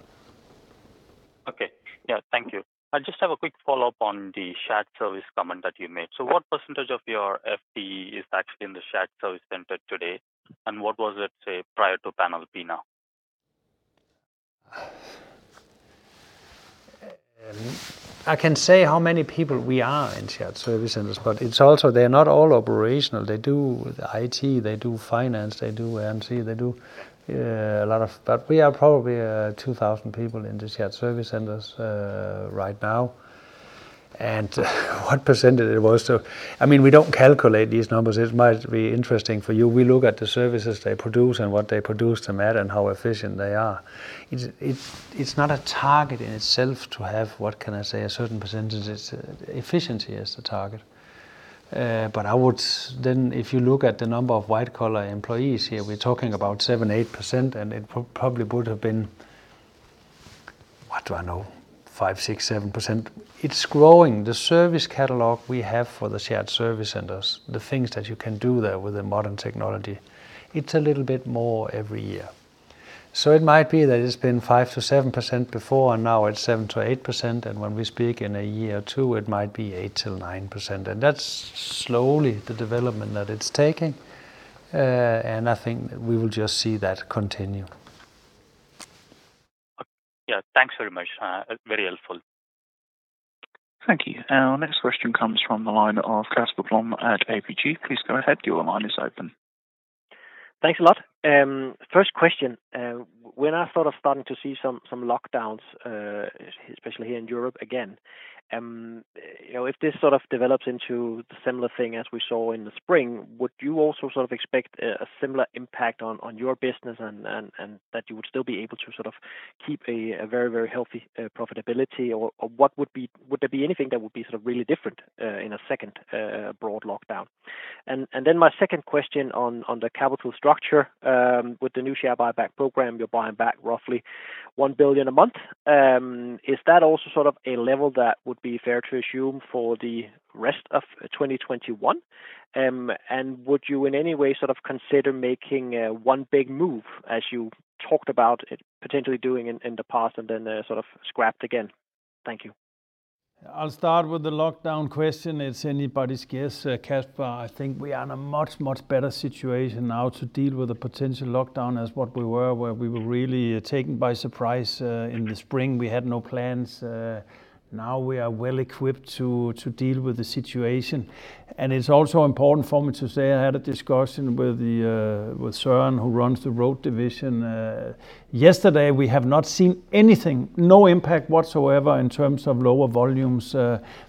Okay. Yeah, thank you. I just have a quick follow-up on the shared service comment that you made. What percentage of your FTE is actually in the shared service center today, and what was it, say, prior to Panalpina? I can say how many people we are in shared service centers, but it's also they're not all operational. They do IT, they do finance, they do Air & Sea. We are probably 2,000 people in the shared service centers right now. What percentage it was? We don't calculate these numbers. It might be interesting for you. We look at the services they produce and what they produce to matter and how efficient they are. It's not a target in itself to have, what can I say, a certain percentage. It's efficiency is the target. If you look at the number of white-collar employees here, we're talking about 7%-8%, and it probably would've been, what do I know? 5%, 6%, 7%. It's growing. The service catalog we have for the shared service centers, the things that you can do there with the modern technology, it's a little bit more every year. It might be that it's been 5%-7% before, and now it's 7%-8%, and when we speak in a year or two, it might be 8%-9%. That's slowly the development that it's taking. I think we will just see that continue. Yeah. Thanks very much. Very helpful. Thank you. Our next question comes from the line of Casper Blom at ABG. Please go ahead. Your line is open. Thanks a lot. First question. We're now starting to see some lockdowns, especially here in Europe again. If this develops into the similar thing as we saw in the spring, would you also expect a similar impact on your business and that you would still be able to keep a very healthy profitability? Would there be anything that would be really different in a second broad lockdown? My second question on the capital structure. With the new share buyback program, you're buying back roughly 1 billion a month. Is that also a level that would be fair to assume for the rest of 2021? Would you in any way consider making one big move as you talked about potentially doing in the past and then sort of scrapped again? Thank you. I'll start with the lockdown question. It's anybody's guess, Casper. I think we are in a much better situation now to deal with a potential lockdown as what we were, where we were really taken by surprise in the spring. We had no plans. We are well equipped to deal with the situation. It's also important for me to say, I had a discussion with Søren, who runs the Road Division. Yesterday, we have not seen anything, no impact whatsoever in terms of lower volumes.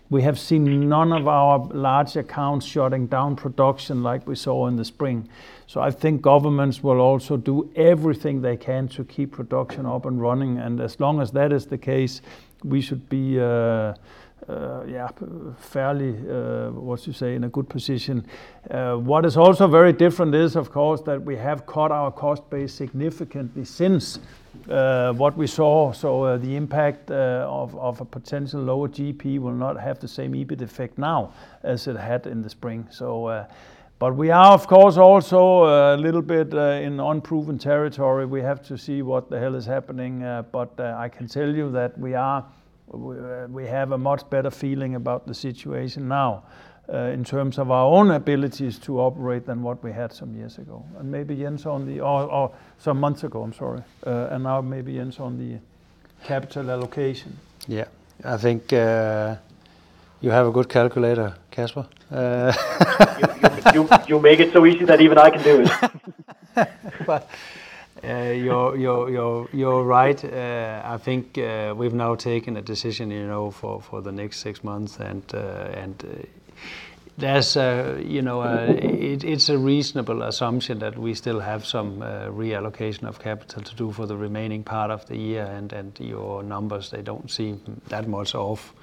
We have seen none of our large accounts shutting down production like we saw in the spring. I think governments will also do everything they can to keep production up and running. As long as that is the case, we should be, yeah, fairly, what you say, in a good position. What is also very different is, of course, that we have cut our cost base significantly since what we saw. The impact of a potential lower GP will not have the same EBIT effect now as it had in the spring. We are, of course, also a little bit in unproven territory. We have to see what the hell is happening. I can tell you that we have a much better feeling about the situation now in terms of our own abilities to operate than what we had some years ago. Some months ago, I'm sorry. Now maybe, Jens, on the capital allocation. Yeah. I think you have a good calculator, Casper. You make it so easy that even I can do it. You're right. I think we've now taken a decision for the next six months, and it's a reasonable assumption that we still have some reallocation of capital to do for the remaining part of the year. Your numbers, they don't seem that much off.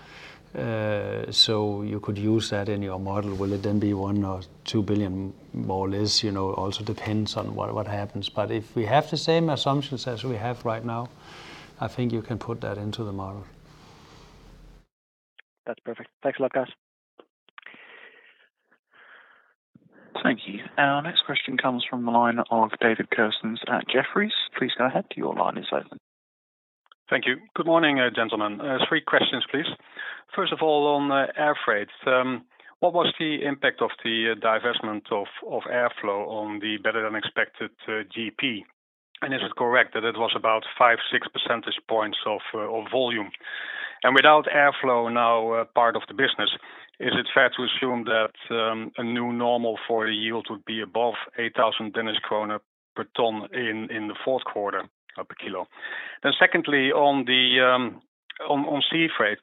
You could use that in your model. Will it then be 1 billion or 2 billion more or less, also depends on what happens. If we have the same assumptions as we have right now, I think you can put that into the model. That's perfect. Thanks a lot, guys. Thank you. Our next question comes from the line of David Kerstens at Jefferies. Please go ahead. Thank you. Good morning, gentlemen. Three questions, please. First of all, on air freight. What was the impact of the divestment of Airflo on the better-than-expected GP? Is it correct that it was about five, six percentage points of volume? Without Airflo now a part of the business, is it fair to assume that a new normal for the yield would be above 8,000 kroner per ton in the fourth quarter, per kilo? Secondly, on sea freight,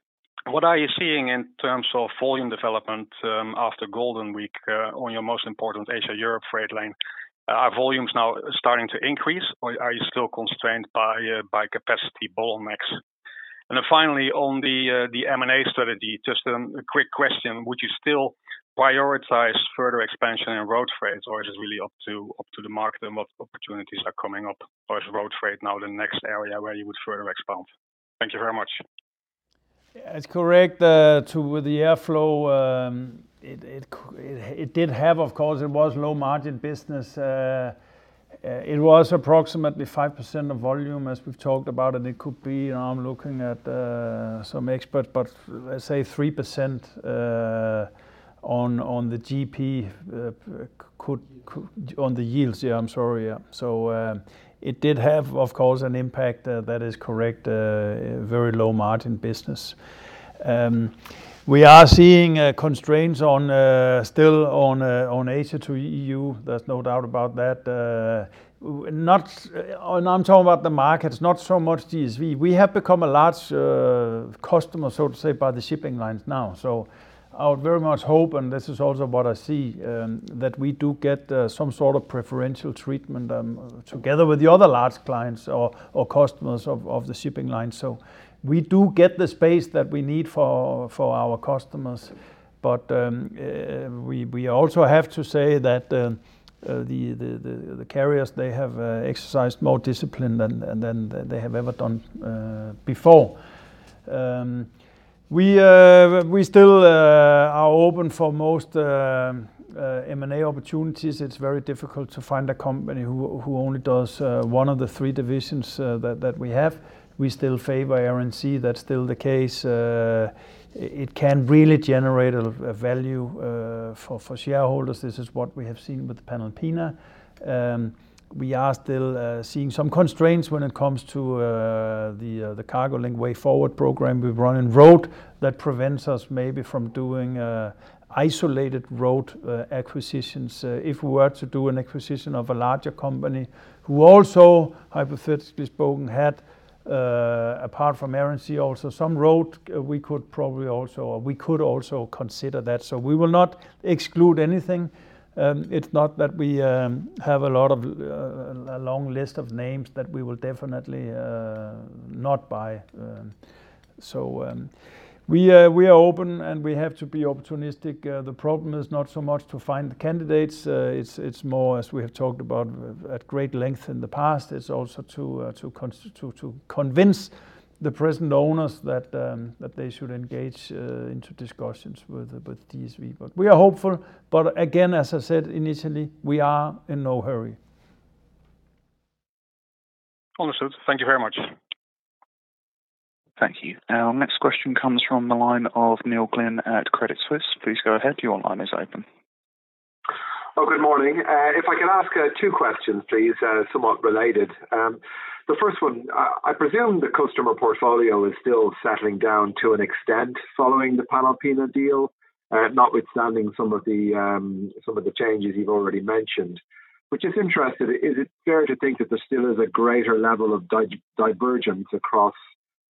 what are you seeing in terms of volume development after Golden Week on your most important Asia-Europe freight lane? Are volumes now starting to increase, or are you still constrained by capacity bottlenecks? Finally, on the M&A strategy, just a quick question. Would you still prioritize further expansion in Road freight, or it is really up to the market and what opportunities are coming up? Is Road freight now the next area where you would further expand? Thank you very much. It's correct. With the Airflo, it did have, of course, it was low-margin business. It was approximately 5% of volume, as we've talked about, and it could be, I'm looking at some expert, but let's say 3% on the yields. Yeah, I'm sorry. It did have, of course, an impact, that is correct. Very low-margin business. We are seeing constraints still on Asia to EU. There's no doubt about that. I'm talking about the markets, not so much DSV. We have become a large customer, so to say, by the shipping lines now. I would very much hope, and this is also what I see, that we do get some sort of preferential treatment together with the other large clients or customers of the shipping line. We do get the space that we need for our customers. We also have to say that the carriers, they have exercised more discipline than they have ever done before. We still are open for most M&A opportunities. It's very difficult to find a company who only does one of the three divisions that we have. We still favor Air & Sea, that's still the case. It can really generate a value for shareholders. This is what we have seen with Panalpina. We are still seeing some constraints when it comes to the Road Way Forward program we run in Road that prevents us maybe from doing isolated Road acquisitions. If we were to do an acquisition of a larger company who also, hypothetically spoken, had, apart from Air & Sea, also some Road, we could also consider that. We will not exclude anything. It's not that we have a long list of names that we will definitely not buy. We are open, and we have to be opportunistic. The problem is not so much to find the candidates, it's more, as we have talked about at great length in the past, it's also to convince the present owners that they should engage into discussions with DSV. We are hopeful. Again, as I said initially, we are in no hurry. Understood. Thank you very much. Thank you. Our next question comes from the line of Neil Glynn at Credit Suisse. Please go ahead. Your line is open. Good morning. If I could ask two questions, please, somewhat related. The first one, I presume the customer portfolio is still settling down to an extent following the Panalpina deal, notwithstanding some of the changes you've already mentioned, which is interesting. Is it fair to think that there still is a greater level of divergence across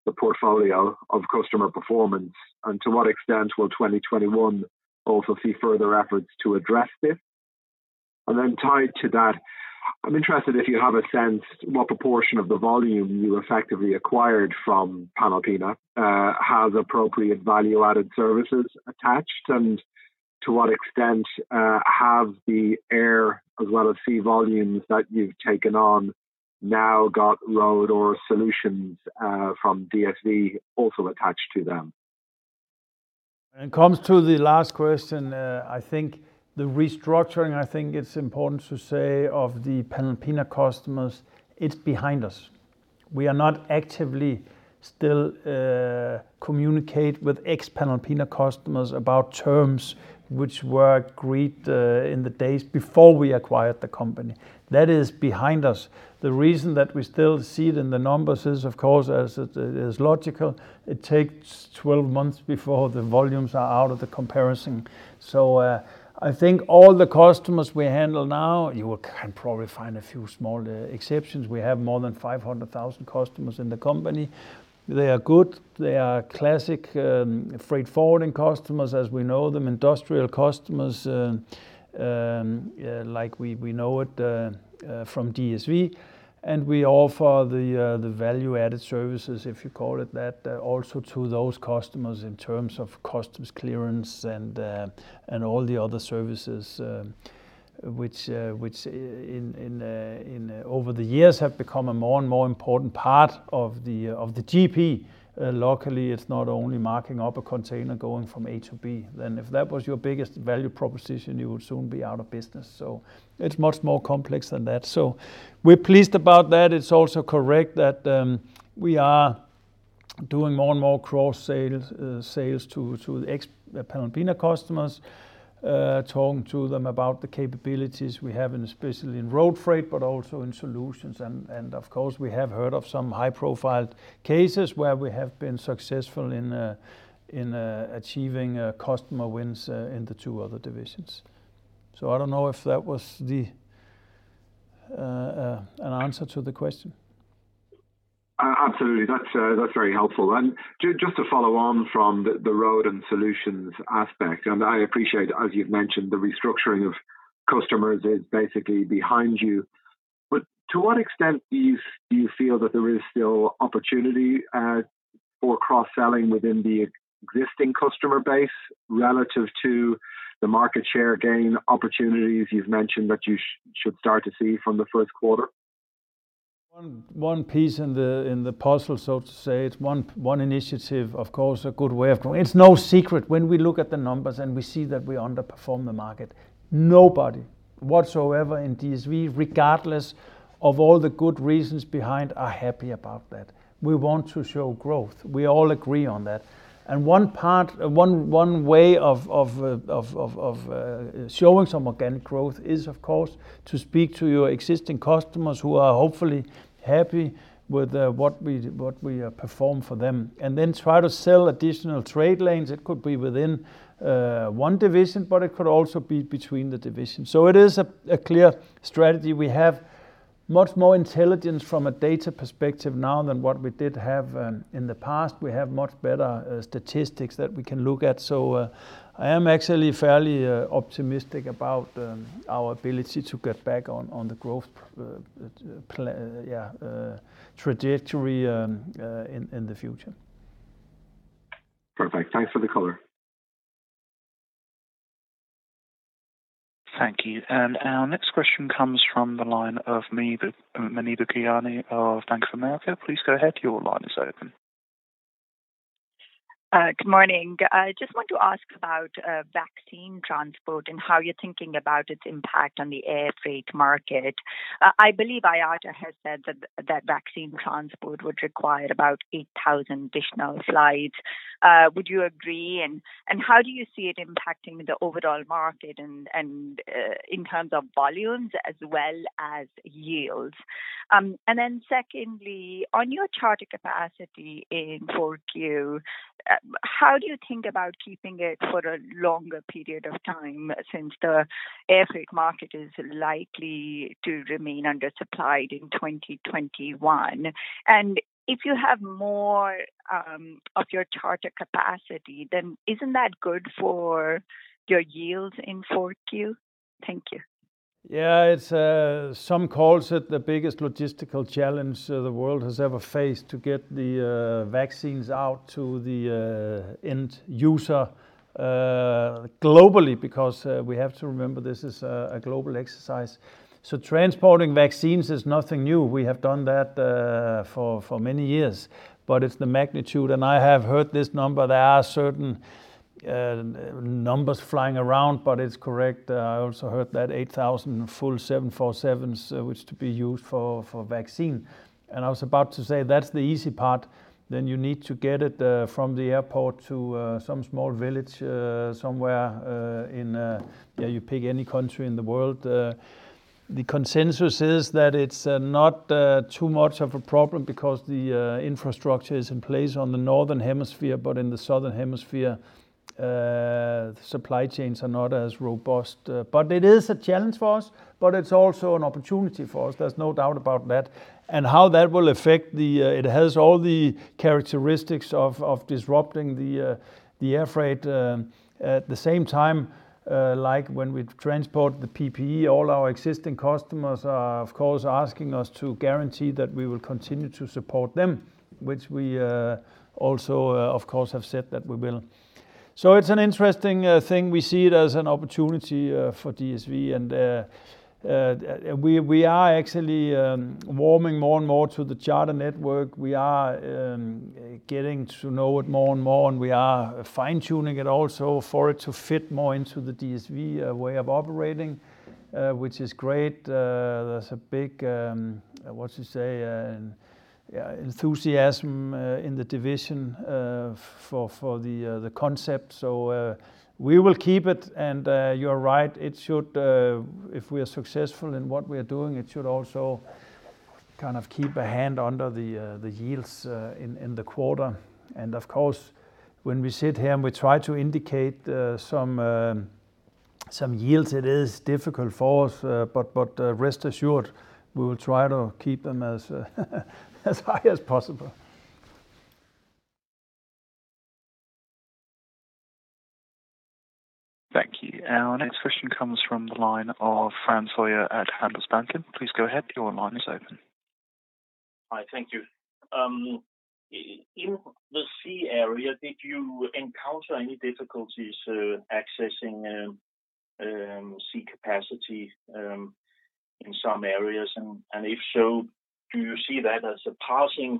the portfolio of customer performance? To what extent will 2021 also see further efforts to address this? Tied to that, I'm interested if you have a sense what proportion of the volume you effectively acquired from Panalpina has appropriate value-added services attached, and to what extent have the air as well as sea volumes that you've taken on now got Road or Solutions from DSV also attached to them? When it comes to the last question, I think the restructuring, I think it's important to say, of the Panalpina customers, it's behind us. We are not actively still communicating with ex-Panalpina customers about terms which were agreed in the days before we acquired the company. That is behind us. The reason that we still see it in the numbers is, of course, as is logical, it takes 12 months before the volumes are out of the comparison. I think all the customers we handle now, you can probably find a few small exceptions. We have more than 500,000 customers in the company. They are good. They are classic freight forwarding customers as we know them, industrial customers, like we know it from DSV. We offer the value-added services, if you call it that, also to those customers in terms of customs clearance and all the other services, which over the years have become a more and more important part of the GP. Luckily, it's not only marking up a container going from A to B. If that was your biggest value proposition, you would soon be out of business. It's much more complex than that. We're pleased about that. It's also correct that we are doing more and more cross-sales to the ex-Panalpina customers, talking to them about the capabilities we have, especially in Road freight, but also in Solutions. Of course, we have heard of some high-profile cases where we have been successful in achieving customer wins in the two other divisions. I don't know if that was an answer to the question. Absolutely. That's very helpful. Just to follow on from the Road and Solutions aspect, and I appreciate, as you've mentioned, the restructuring of customers is basically behind you, but to what extent do you feel that there is still opportunity for cross-selling within the existing customer base relative to the market share gain opportunities you've mentioned that you should start to see from the first quarter? One piece in the puzzle, so to say. It's one initiative, of course. It's no secret when we look at the numbers and we see that we underperform the market. Nobody whatsoever in DSV, regardless of all the good reasons behind, are happy about that. We want to show growth. We all agree on that. One way of showing some organic growth is, of course, to speak to your existing customers who are hopefully happy with what we perform for them, and then try to sell additional trade lanes. It could be within one division, but it could also be between the divisions. It is a clear strategy. We have much more intelligence from a data perspective now than what we did have in the past. We have much better statistics that we can look at. I am actually fairly optimistic about our ability to get back on the growth trajectory in the future. Perfect. Thanks for the color. Thank you. Our next question comes from the line of Muneeba Kayani of Bank of America. Please go ahead, your line is open. Good morning. I just want to ask about vaccine transport and how you're thinking about its impact on the air freight market. I believe IATA has said that vaccine transport would require about 8,000 additional flights. Would you agree? How do you see it impacting the overall market in terms of volumes as well as yields? Secondly, on your charter capacity in 4Q, how do you think about keeping it for a longer period of time since the air freight market is likely to remain undersupplied in 2021? If you have more of your charter capacity, isn't that good for your yields in 4Q? Thank you. Yeah. Some calls it the biggest logistical challenge the world has ever faced to get the vaccines out to the end user globally, because we have to remember this is a global exercise. Transporting vaccines is nothing new. We have done that for many years, but it's the magnitude, and I have heard this number. There are certain numbers flying around, but it's correct. I also heard that 8,000 full 747s, which to be used for vaccine. I was about to say that's the easy part. You need to get it from the airport to some small village somewhere in, yeah, you pick any country in the world. The consensus is that it's not too much of a problem because the infrastructure is in place on the Northern Hemisphere. In the Southern Hemisphere, supply chains are not as robust. It is a challenge for us, but it's also an opportunity for us. There's no doubt about that. It has all the characteristics of disrupting the air freight. At the same time, like when we transport the PPE, all our existing customers are, of course, asking us to guarantee that we will continue to support them, which we also, of course, have said that we will. It's an interesting thing. We see it as an opportunity for DSV and we are actually warming more and more to the charter network. We are getting to know it more and more, and we are fine-tuning it also for it to fit more into the DSV way of operating, which is great. There's a big, what you say, enthusiasm in the division for the concept. We will keep it and you are right, if we are successful in what we are doing, it should also kind of keep a hand under the yields in the quarter. Of course, when we sit here and we try to indicate some yields, it is difficult for us. Rest assured, we will try to keep them as high as possible. Thank you. Our next question comes from the line of Frans Hoyer at Handelsbanken. Please go ahead. Your line is open. Hi. Thank you. In the sea area, did you encounter any difficulties accessing sea capacity in some areas? If so, do you see that as a passing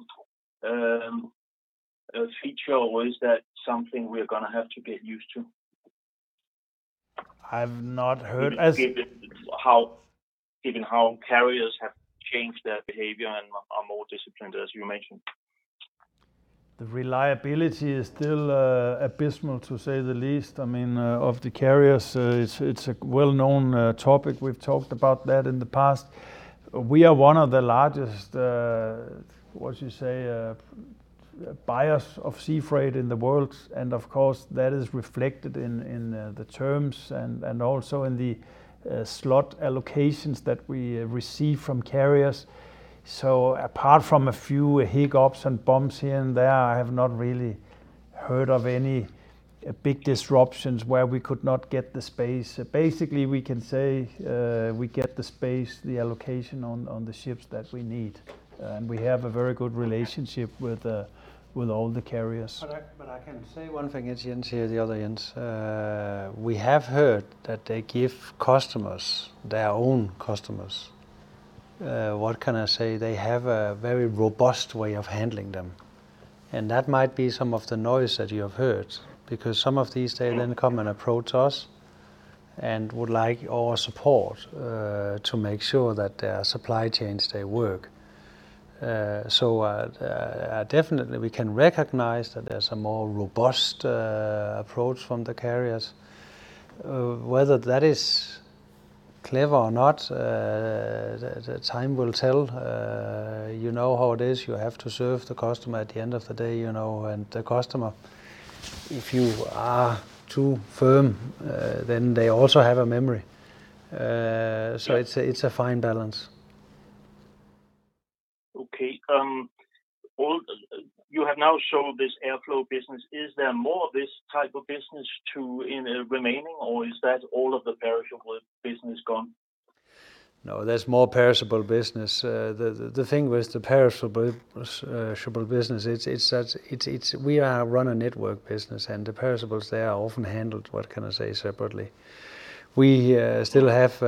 feature or is that something we're going to have to get used to? I've not heard Given how carriers have changed their behavior and are more disciplined, as you mentioned. The reliability is still abysmal, to say the least, I mean, of the carriers. It's a well-known topic. We've talked about that in the past. We are one of the largest, what you say, buyers of sea freight in the world, and of course, that is reflected in the terms and also in the slot allocations that we receive from carriers. Apart from a few hiccups and bumps here and there, I have not really heard of any big disruptions where we could not get the space. Basically, we can say we get the space, the allocation on the ships that we need. We have a very good relationship with all the carriers. I can say one thing, it's the end to the other end. We have heard that they give customers their own customers. What can I say? They have a very robust way of handling them. That might be some of the noise that you have heard, because some of these, they then come and approach us and would like our support to make sure that their supply chains, they work. Definitely we can recognize that there's a more robust approach from the carriers. Whether that is clever or not, time will tell. You know how it is. You have to serve the customer at the end of the day, and the customer, if you are too firm, then they also have a memory. It's a fine balance. Okay. You have now shown this Airflo business. Is there more of this type of business remaining, or is that all of the perishable business gone? No, there's more perishable business. The thing with the perishable business, we run a network business, and the perishables, they are often handled, what can I say, separately. We still have,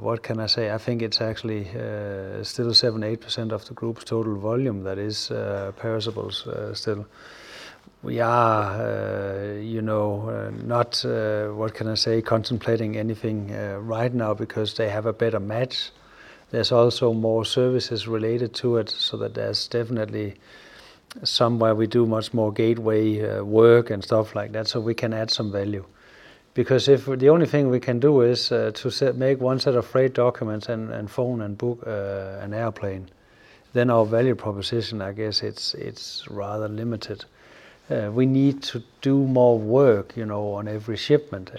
what can I say, I think it's actually still 7%, 8% of the group's total volume that is perishables still. We are not, what can I say, contemplating anything right now because they have a better match. There's also more services related to it, so that there's definitely somewhere we do much more gateway work and stuff like that, so we can add some value. If the only thing we can do is to make one set of freight documents and phone and book an airplane, then our value proposition, I guess, it's rather limited. We need to do more work on every shipment.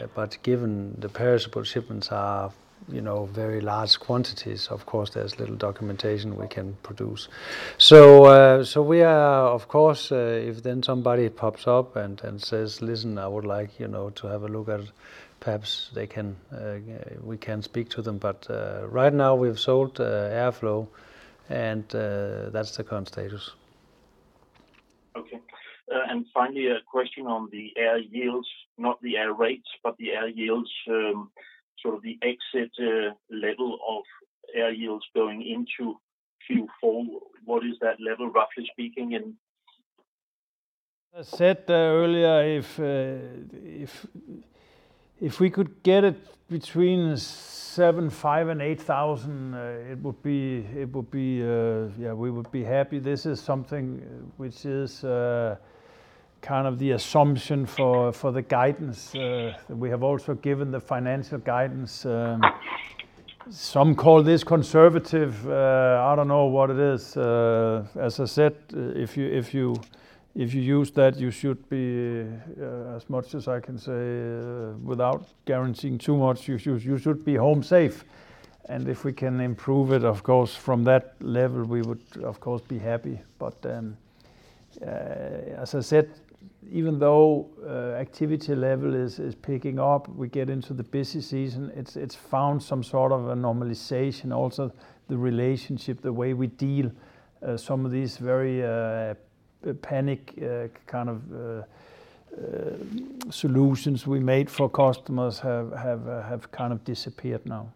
Given the perishable shipments are very large quantities, of course, there's little documentation we can produce. If somebody pops up and says, "Listen, I would like to have a look at." Perhaps we can speak to them. Right now we've sold Airflo and that's the current status. Okay. Finally, a question on the air yields, not the air rates, but the air yields, sort of the exit level of air yields going into Q4. What is that level, roughly speaking in? I said earlier, if we could get it between 7,500 and 8,000, we would be happy. This is something which is kind of the assumption for the guidance. We have also given the financial guidance. Some call this conservative. I don't know what it is. As I said, if you use that, you should be, as much as I can say, without guaranteeing too much, you should be home safe. If we can improve it, of course, from that level, we would of course be happy. As I said, even though activity level is picking up, we get into the busy season, it's found some sort of a normalization also, the relationship, the way we deal some of these very panic kind of solutions we made for customers have kind of disappeared now.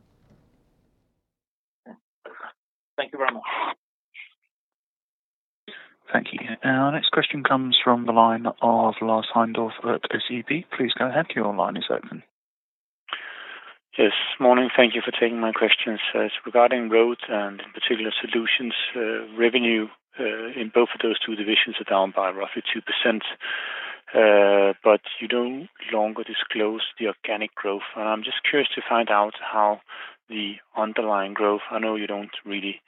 Thank you very much. Thank you. Our next question comes from the line of Lars Heindorff at SEB. Please go ahead, your line is open. Yes. Morning. Thank you for taking my questions. Regarding Road and in particular Solutions revenue in both of those two divisions are down by roughly 2%. You no longer disclose the organic growth. I'm just curious to find out how the underlying growth, I know you don't really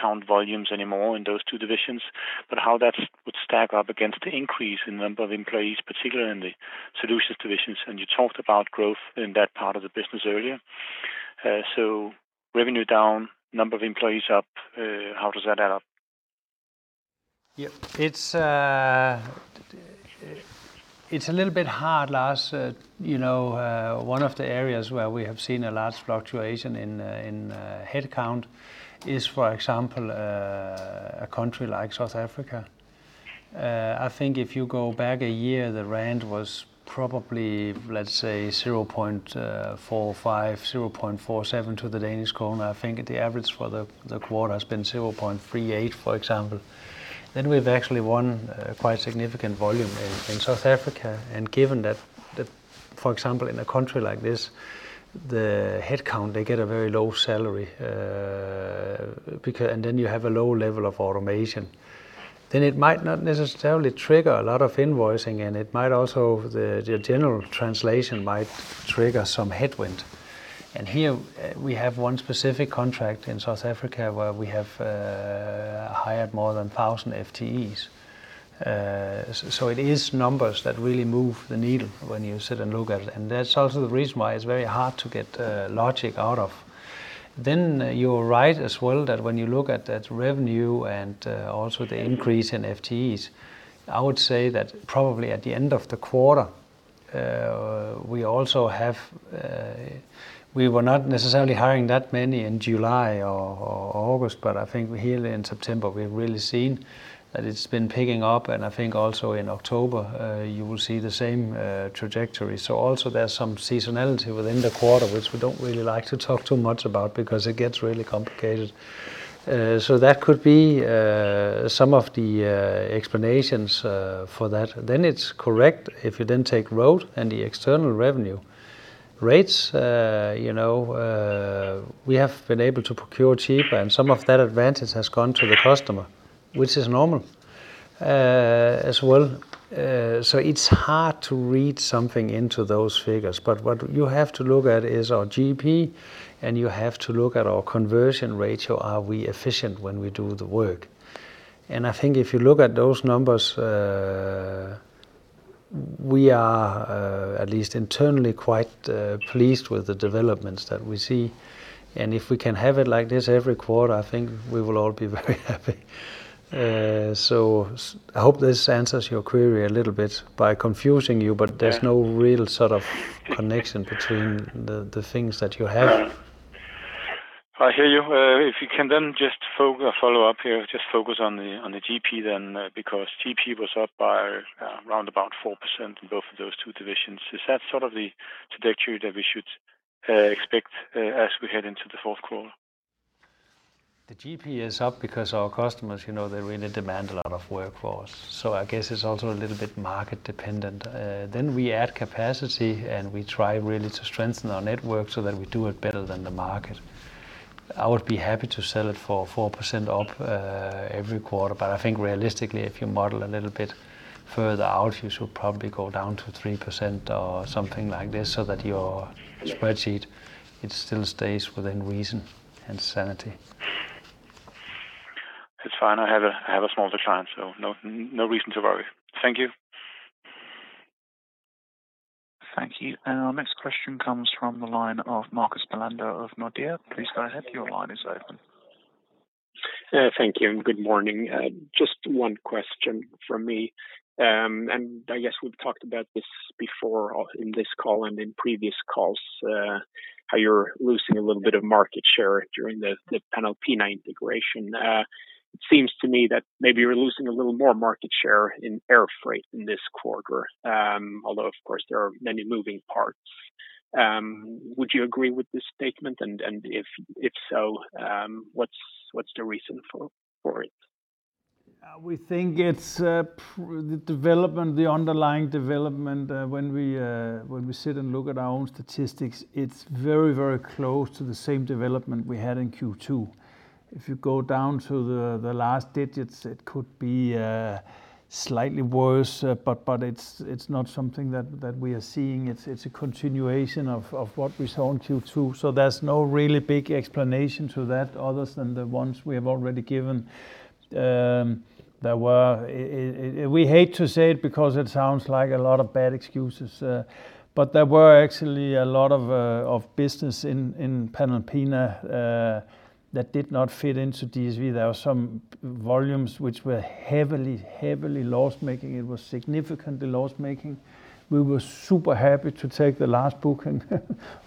count volumes anymore in those two divisions, but how that would stack up against the increase in number of employees, particularly in the Solutions divisions. You talked about growth in that part of the business earlier. Revenue down, number of employees up, how does that add up? Yeah. It's a little bit hard, Lars. One of the areas where we have seen a large fluctuation in headcount is, for example, a country like South Africa. I think if you go back a year, the rand was probably, let's say 0.45, 0.47 to the DKK. I think the average for the quarter has been 0.38, for example. We've actually won quite significant volume in South Africa. Given that, for example, in a country like this, the headcount, they get a very low salary and then you have a low level of automation. It might not necessarily trigger a lot of invoicing, and it might also, the general translation might trigger some headwind. Here we have one specific contract in South Africa where we have hired more than 1,000 FTEs. It is numbers that really move the needle when you sit and look at it. That's also the reason why it's very hard to get logic out of. You're right as well that when you look at that revenue and also the increase in FTEs, I would say that probably at the end of the quarter, we were not necessarily hiring that many in July or August, but I think here in September, we've really seen that it's been picking up, and I think also in October you will see the same trajectory. Also there's some seasonality within the quarter, which we don't really like to talk too much about because it gets really complicated. That could be some of the explanations for that. It's correct if you then take Road and the external revenue rates. We have been able to procure cheaper and some of that advantage has gone to the customer, which is normal as well. It's hard to read something into those figures. What you have to look at is our GP and you have to look at our conversion ratio. Are we efficient when we do the work? I think if you look at those numbers, we are at least internally quite pleased with the developments that we see. If we can have it like this every quarter, I think we will all be very happy. I hope this answers your query a little bit by confusing you, but there's no real sort of connection between the things that you have. I hear you. If you can then just follow up here, just focus on the GP then, because GP was up by around about 4% in both of those two divisions. Is that sort of the trajectory that we should expect as we head into the fourth quarter? The GP is up because our customers, they really demand a lot of workforce. I guess it's also a little bit market-dependent. We add capacity, and we try really to strengthen our network so that we do it better than the market. I would be happy to sell it for 4% up every quarter. I think realistically, if you model a little bit further out, you should probably go down to 3% or something like this so that your spreadsheet, it still stays within reason and sanity. It's fine. I have a smaller client, so no reason to worry. Thank you. Thank you. Our next question comes from the line of Marcus Bellander of Nordea. Please go ahead. Your line is open. Thank you, good morning. Just one question from me. I guess we've talked about this before in this call and in previous calls, how you're losing a little bit of market share during the Panalpina integration. It seems to me that maybe you're losing a little more market share in air freight in this quarter. Although, of course, there are many moving parts. Would you agree with this statement? If so, what's the reason for it? We think it's the underlying development. When we sit and look at our own statistics, it's very, very close to the same development we had in Q2. If you go down to the last digits, it could be slightly worse, but it's not something that we are seeing. It's a continuation of what we saw in Q2. There's no really big explanation to that other than the ones we have already given. We hate to say it because it sounds like a lot of bad excuses, but there were actually a lot of business in Panalpina that did not fit into DSV. There were some volumes which were heavily loss-making. It was significantly loss-making. We were super happy to take the last booking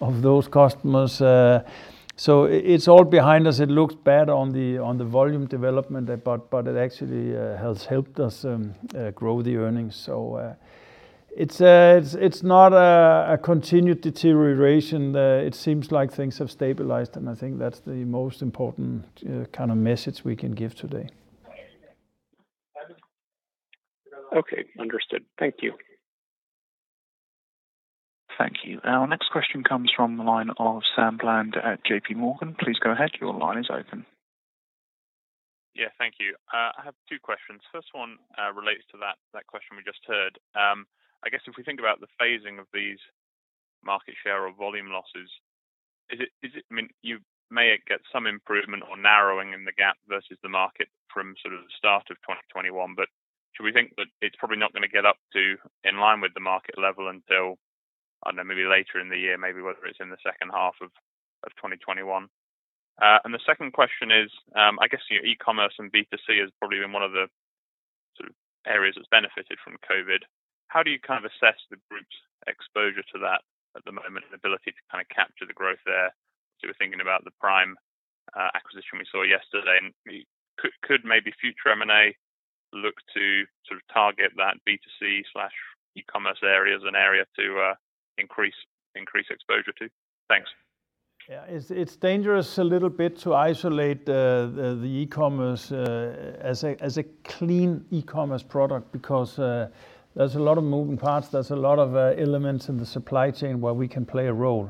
of those customers. It's all behind us. It looks bad on the volume development, but it actually has helped us grow the earnings. It's not a continued deterioration. It seems like things have stabilized, and I think that's the most important kind of message we can give today. Okay. Understood. Thank you. Thank you. Our next question comes from the line of Sam Bland at J.P. Morgan. Please go ahead. Your line is open. Yeah. Thank you. I have two questions. First one relates to that question we just heard. I guess if we think about the phasing of these market share or volume losses, you may get some improvement or narrowing in the gap versus the market from sort of the start of 2021. Should we think that it's probably not going to get up to in line with the market level until, I don't know, maybe later in the year, maybe whether it's in the second half of 2021? The second question is, I guess your e-commerce and B2C has probably been one of the sort of areas that's benefited from COVID. How do you kind of assess the group's exposure to that at the moment and ability to kind of capture the growth there? We're thinking about the Prime acquisition we saw yesterday, and could maybe future M&A look to sort of target that B2C/e-commerce area as an area to increase exposure to? Thanks. Yeah. It's dangerous a little bit to isolate the e-commerce as a clean e-commerce product because there's a lot of moving parts. There's a lot of elements in the supply chain where we can play a role.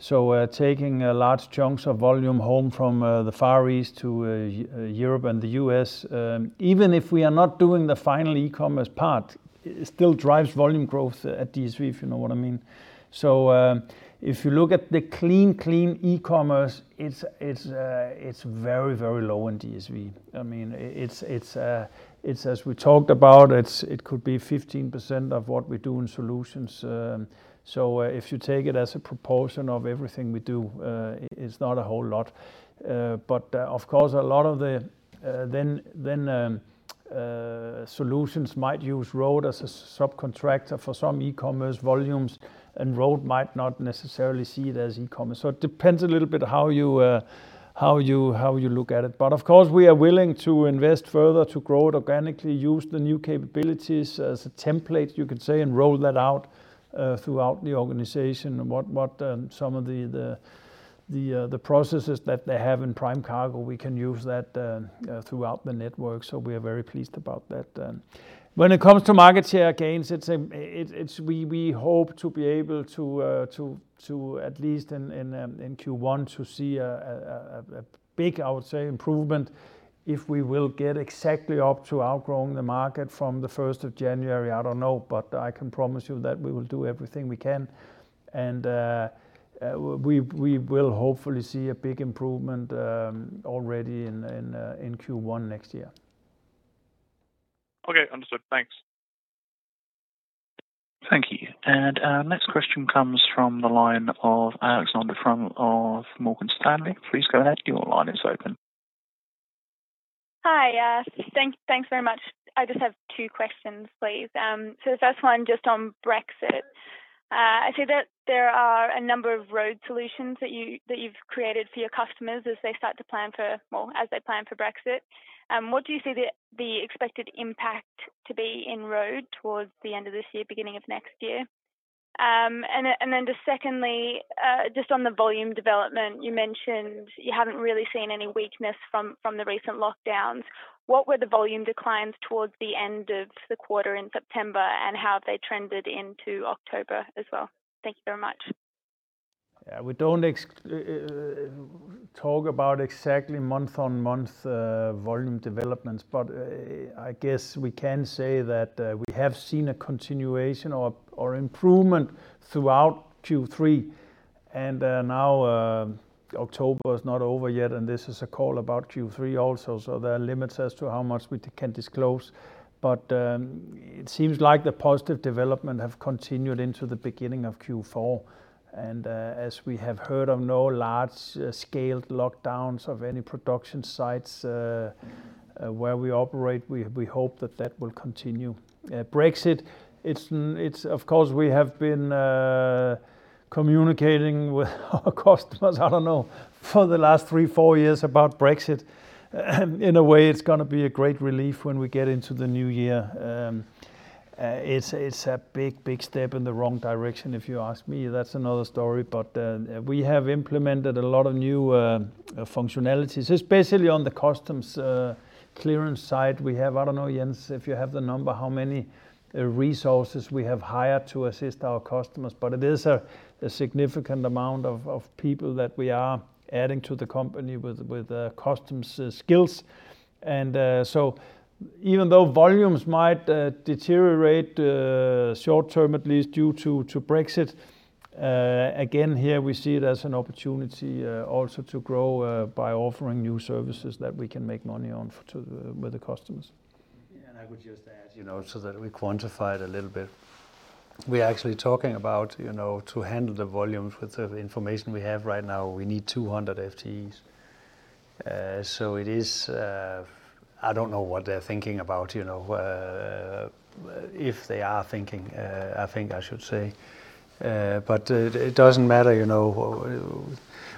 Taking large chunks of volume home from the Far East to Europe and the U.S., even if we are not doing the final e-commerce part, it still drives volume growth at DSV, if you know what I mean. If you look at the clean e-commerce, it's very low in DSV. As we talked about, it could be 15% of what we do in Solutions. If you take it as a proportion of everything we do, it's not a whole lot. Of course, a lot of the Solutions might use Road as a subcontractor for some e-commerce volumes, and Road might not necessarily see it as e-commerce. It depends a little bit how you look at it. Of course, we are willing to invest further to grow it organically, use the new capabilities as a template, you could say, and roll that out throughout the organization. What some of the processes that they have in Prime Cargo, we can use that throughout the network. We are very pleased about that. When it comes to market share gains, we hope to be able to, at least in Q1, to see a big, I would say, improvement. If we will get exactly up to outgrowing the market from the 1st of January, I don't know, but I can promise you that we will do everything we can. We will hopefully see a big improvement already in Q1 next year. Okay. Understood. Thanks. Our next question comes from the line of Alexandra from Morgan Stanley. Please go ahead. Hi. Thanks very much. I just have two questions, please. The first one just on Brexit. I see that there are a number of road solutions that you've created for your customers as they start to plan for, well, as they plan for Brexit. What do you see the expected impact to be in road towards the end of this year, beginning of next year? Secondly, just on the volume development, you mentioned you haven't really seen any weakness from the recent lockdowns. What were the volume declines towards the end of the quarter in September, and how have they trended into October as well? Thank you very much. Yeah, we don't talk about exactly month-on-month volume developments, but I guess we can say that we have seen a continuation or improvement throughout Q3. Now October is not over yet, and this is a call about Q3 also, so there are limits as to how much we can disclose. It seems like the positive development have continued into the beginning of Q4. As we have heard of no large-scaled lockdowns of any production sites where we operate, we hope that that will continue. Brexit, of course, we have been communicating with our customers I don't know, for the last three, four years about Brexit. In a way, it's going to be a great relief when we get into the new year. It's a big, big step in the wrong direction if you ask me, that's another story. We have implemented a lot of new functionalities. It's basically on the customs clearance side. We have, I don't know, Jens, if you have the number, how many resources we have hired to assist our customers. It is a significant amount of people that we are adding to the company with customs skills. Even though volumes might deteriorate, short-term at least, due to Brexit, again, here we see it as an opportunity also to grow by offering new services that we can make money on with the customs. I would just add, so that we quantify it a little bit. We're actually talking about to handle the volumes with the information we have right now, we need 200 FTEs. It is, I don't know what they're thinking about, if they are thinking, I think I should say. It doesn't matter.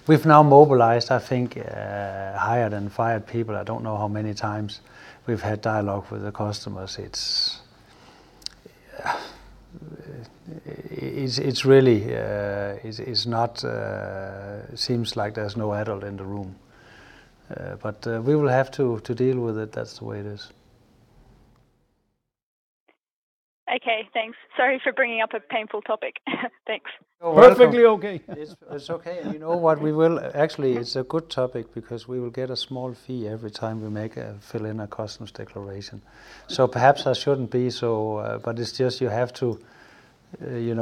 We've now mobilized, I think, hired and fired people. I don't know how many times we've had dialogue with the customers. It seems like there's no adult in the room. We will have to deal with it. That's the way it is. Okay, thanks. Sorry for bringing up a painful topic. Thanks. Perfectly okay. It's okay. You know what? Actually, it's a good topic because we will get a small fee every time we fill in a customs declaration. Perhaps I shouldn't be so, it's just you have to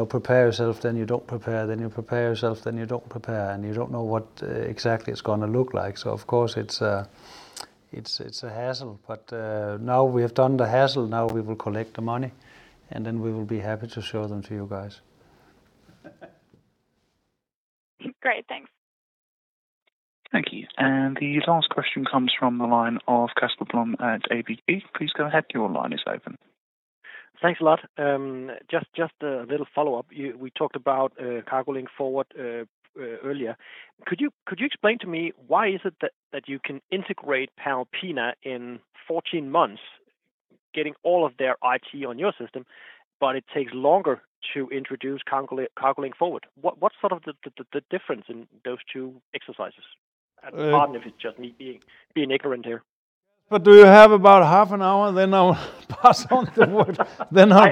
prepare yourself, then you don't prepare, then you prepare yourself, then you don't prepare, you don't know what exactly it's going to look like. Of course, it's a hassle. Now we have done the hassle, now we will collect the money, then we will be happy to show them to you guys. Great. Thanks. Thank you. The last question comes from the line of Casper Blom at ABG. Please go ahead, your line is open. Thanks a lot. Just a little follow-up. We talked about CargoLink Forward earlier. Could you explain to me why is it that you can integrate Panalpina in 14 months, getting all of their IT on your system, but it takes longer to introduce CargoLink Forward? What's sort of the difference in those two exercises? Pardon if it's just me being ignorant here. Do you have about half an hour? I'll pass on the work.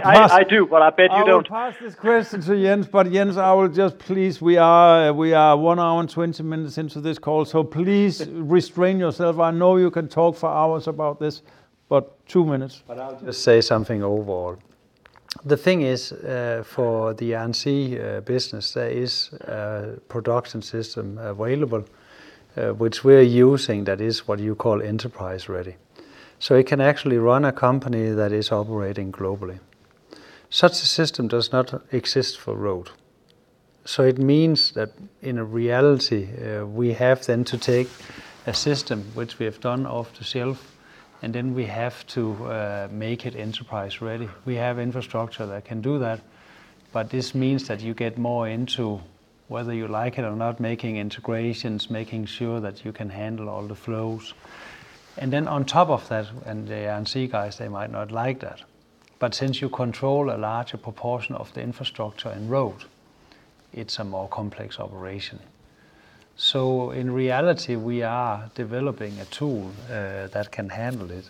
I do, but I bet you don't. I will pass this question to Jens, but Jens, I will just please, we are one hour and 20 minutes into this call, so please restrain yourself. I know you can talk for hours about this, but two minutes. I'll just say something overall. The thing is for the Air & Sea business, there is a production system available, which we are using that is what you call enterprise ready. It can actually run a company that is operating globally. Such a system does not exist for Road. It means that in a reality, we have to take a system which we have done off the shelf, and then we have to make it enterprise ready. We have infrastructure that can do that, but this means that you get more into whether you like it or not, making integrations, making sure that you can handle all the flows. On top of that, the NC guys, they might not like that, but since you control a larger proportion of the infrastructure and Road, it's a more complex operation. In reality, we are developing a tool that can handle it.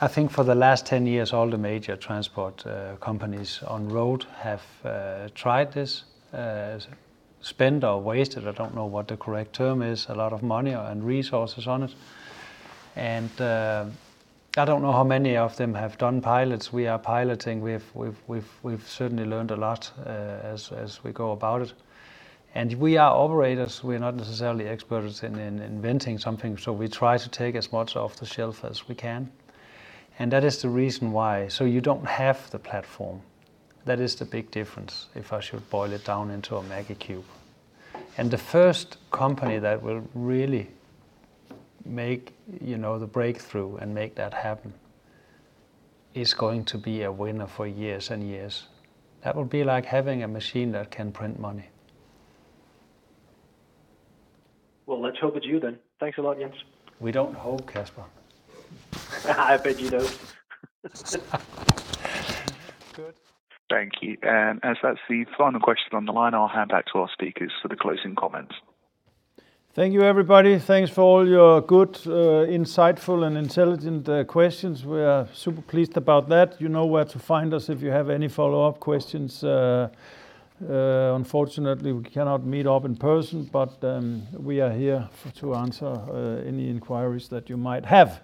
I think for the last 10 years, all the major transport companies on Road have tried this, spent or wasted, I don't know what the correct term is, a lot of money and resources on it. I don't know how many of them have done pilots. We are piloting. We've certainly learned a lot as we go about it. We are operators, we're not necessarily experts in inventing something, so we try to take as much off the shelf as we can. That is the reason why. You don't have the platform. That is the big difference, if I should boil it down into a MAGGI cube. The first company that will really make the breakthrough and make that happen is going to be a winner for years and years. That will be like having a machine that can print money. Well, let's hope it's you then. Thanks a lot, Jens. We don't hope, Casper. I bet you do. Good. Thank you. As that's the final question on the line, I'll hand back to our speakers for the closing comments. Thank you, everybody. Thanks for all your good, insightful, and intelligent questions. We are super pleased about that. You know where to find us if you have any follow-up questions. Unfortunately, we cannot meet up in person, but we are here to answer any inquiries that you might have.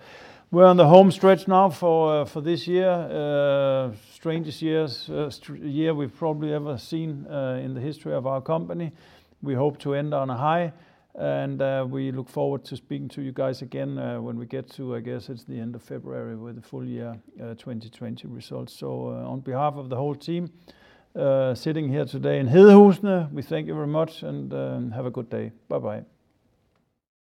We're on the home stretch now for this year. Strangest year we've probably ever seen in the history of our company. We hope to end on a high, and we look forward to speaking to you guys again when we get to, I guess it's the end of February with the full year 2020 results. On behalf of the whole team sitting here today in Hedehusene, we thank you very much and have a good day. Bye-bye.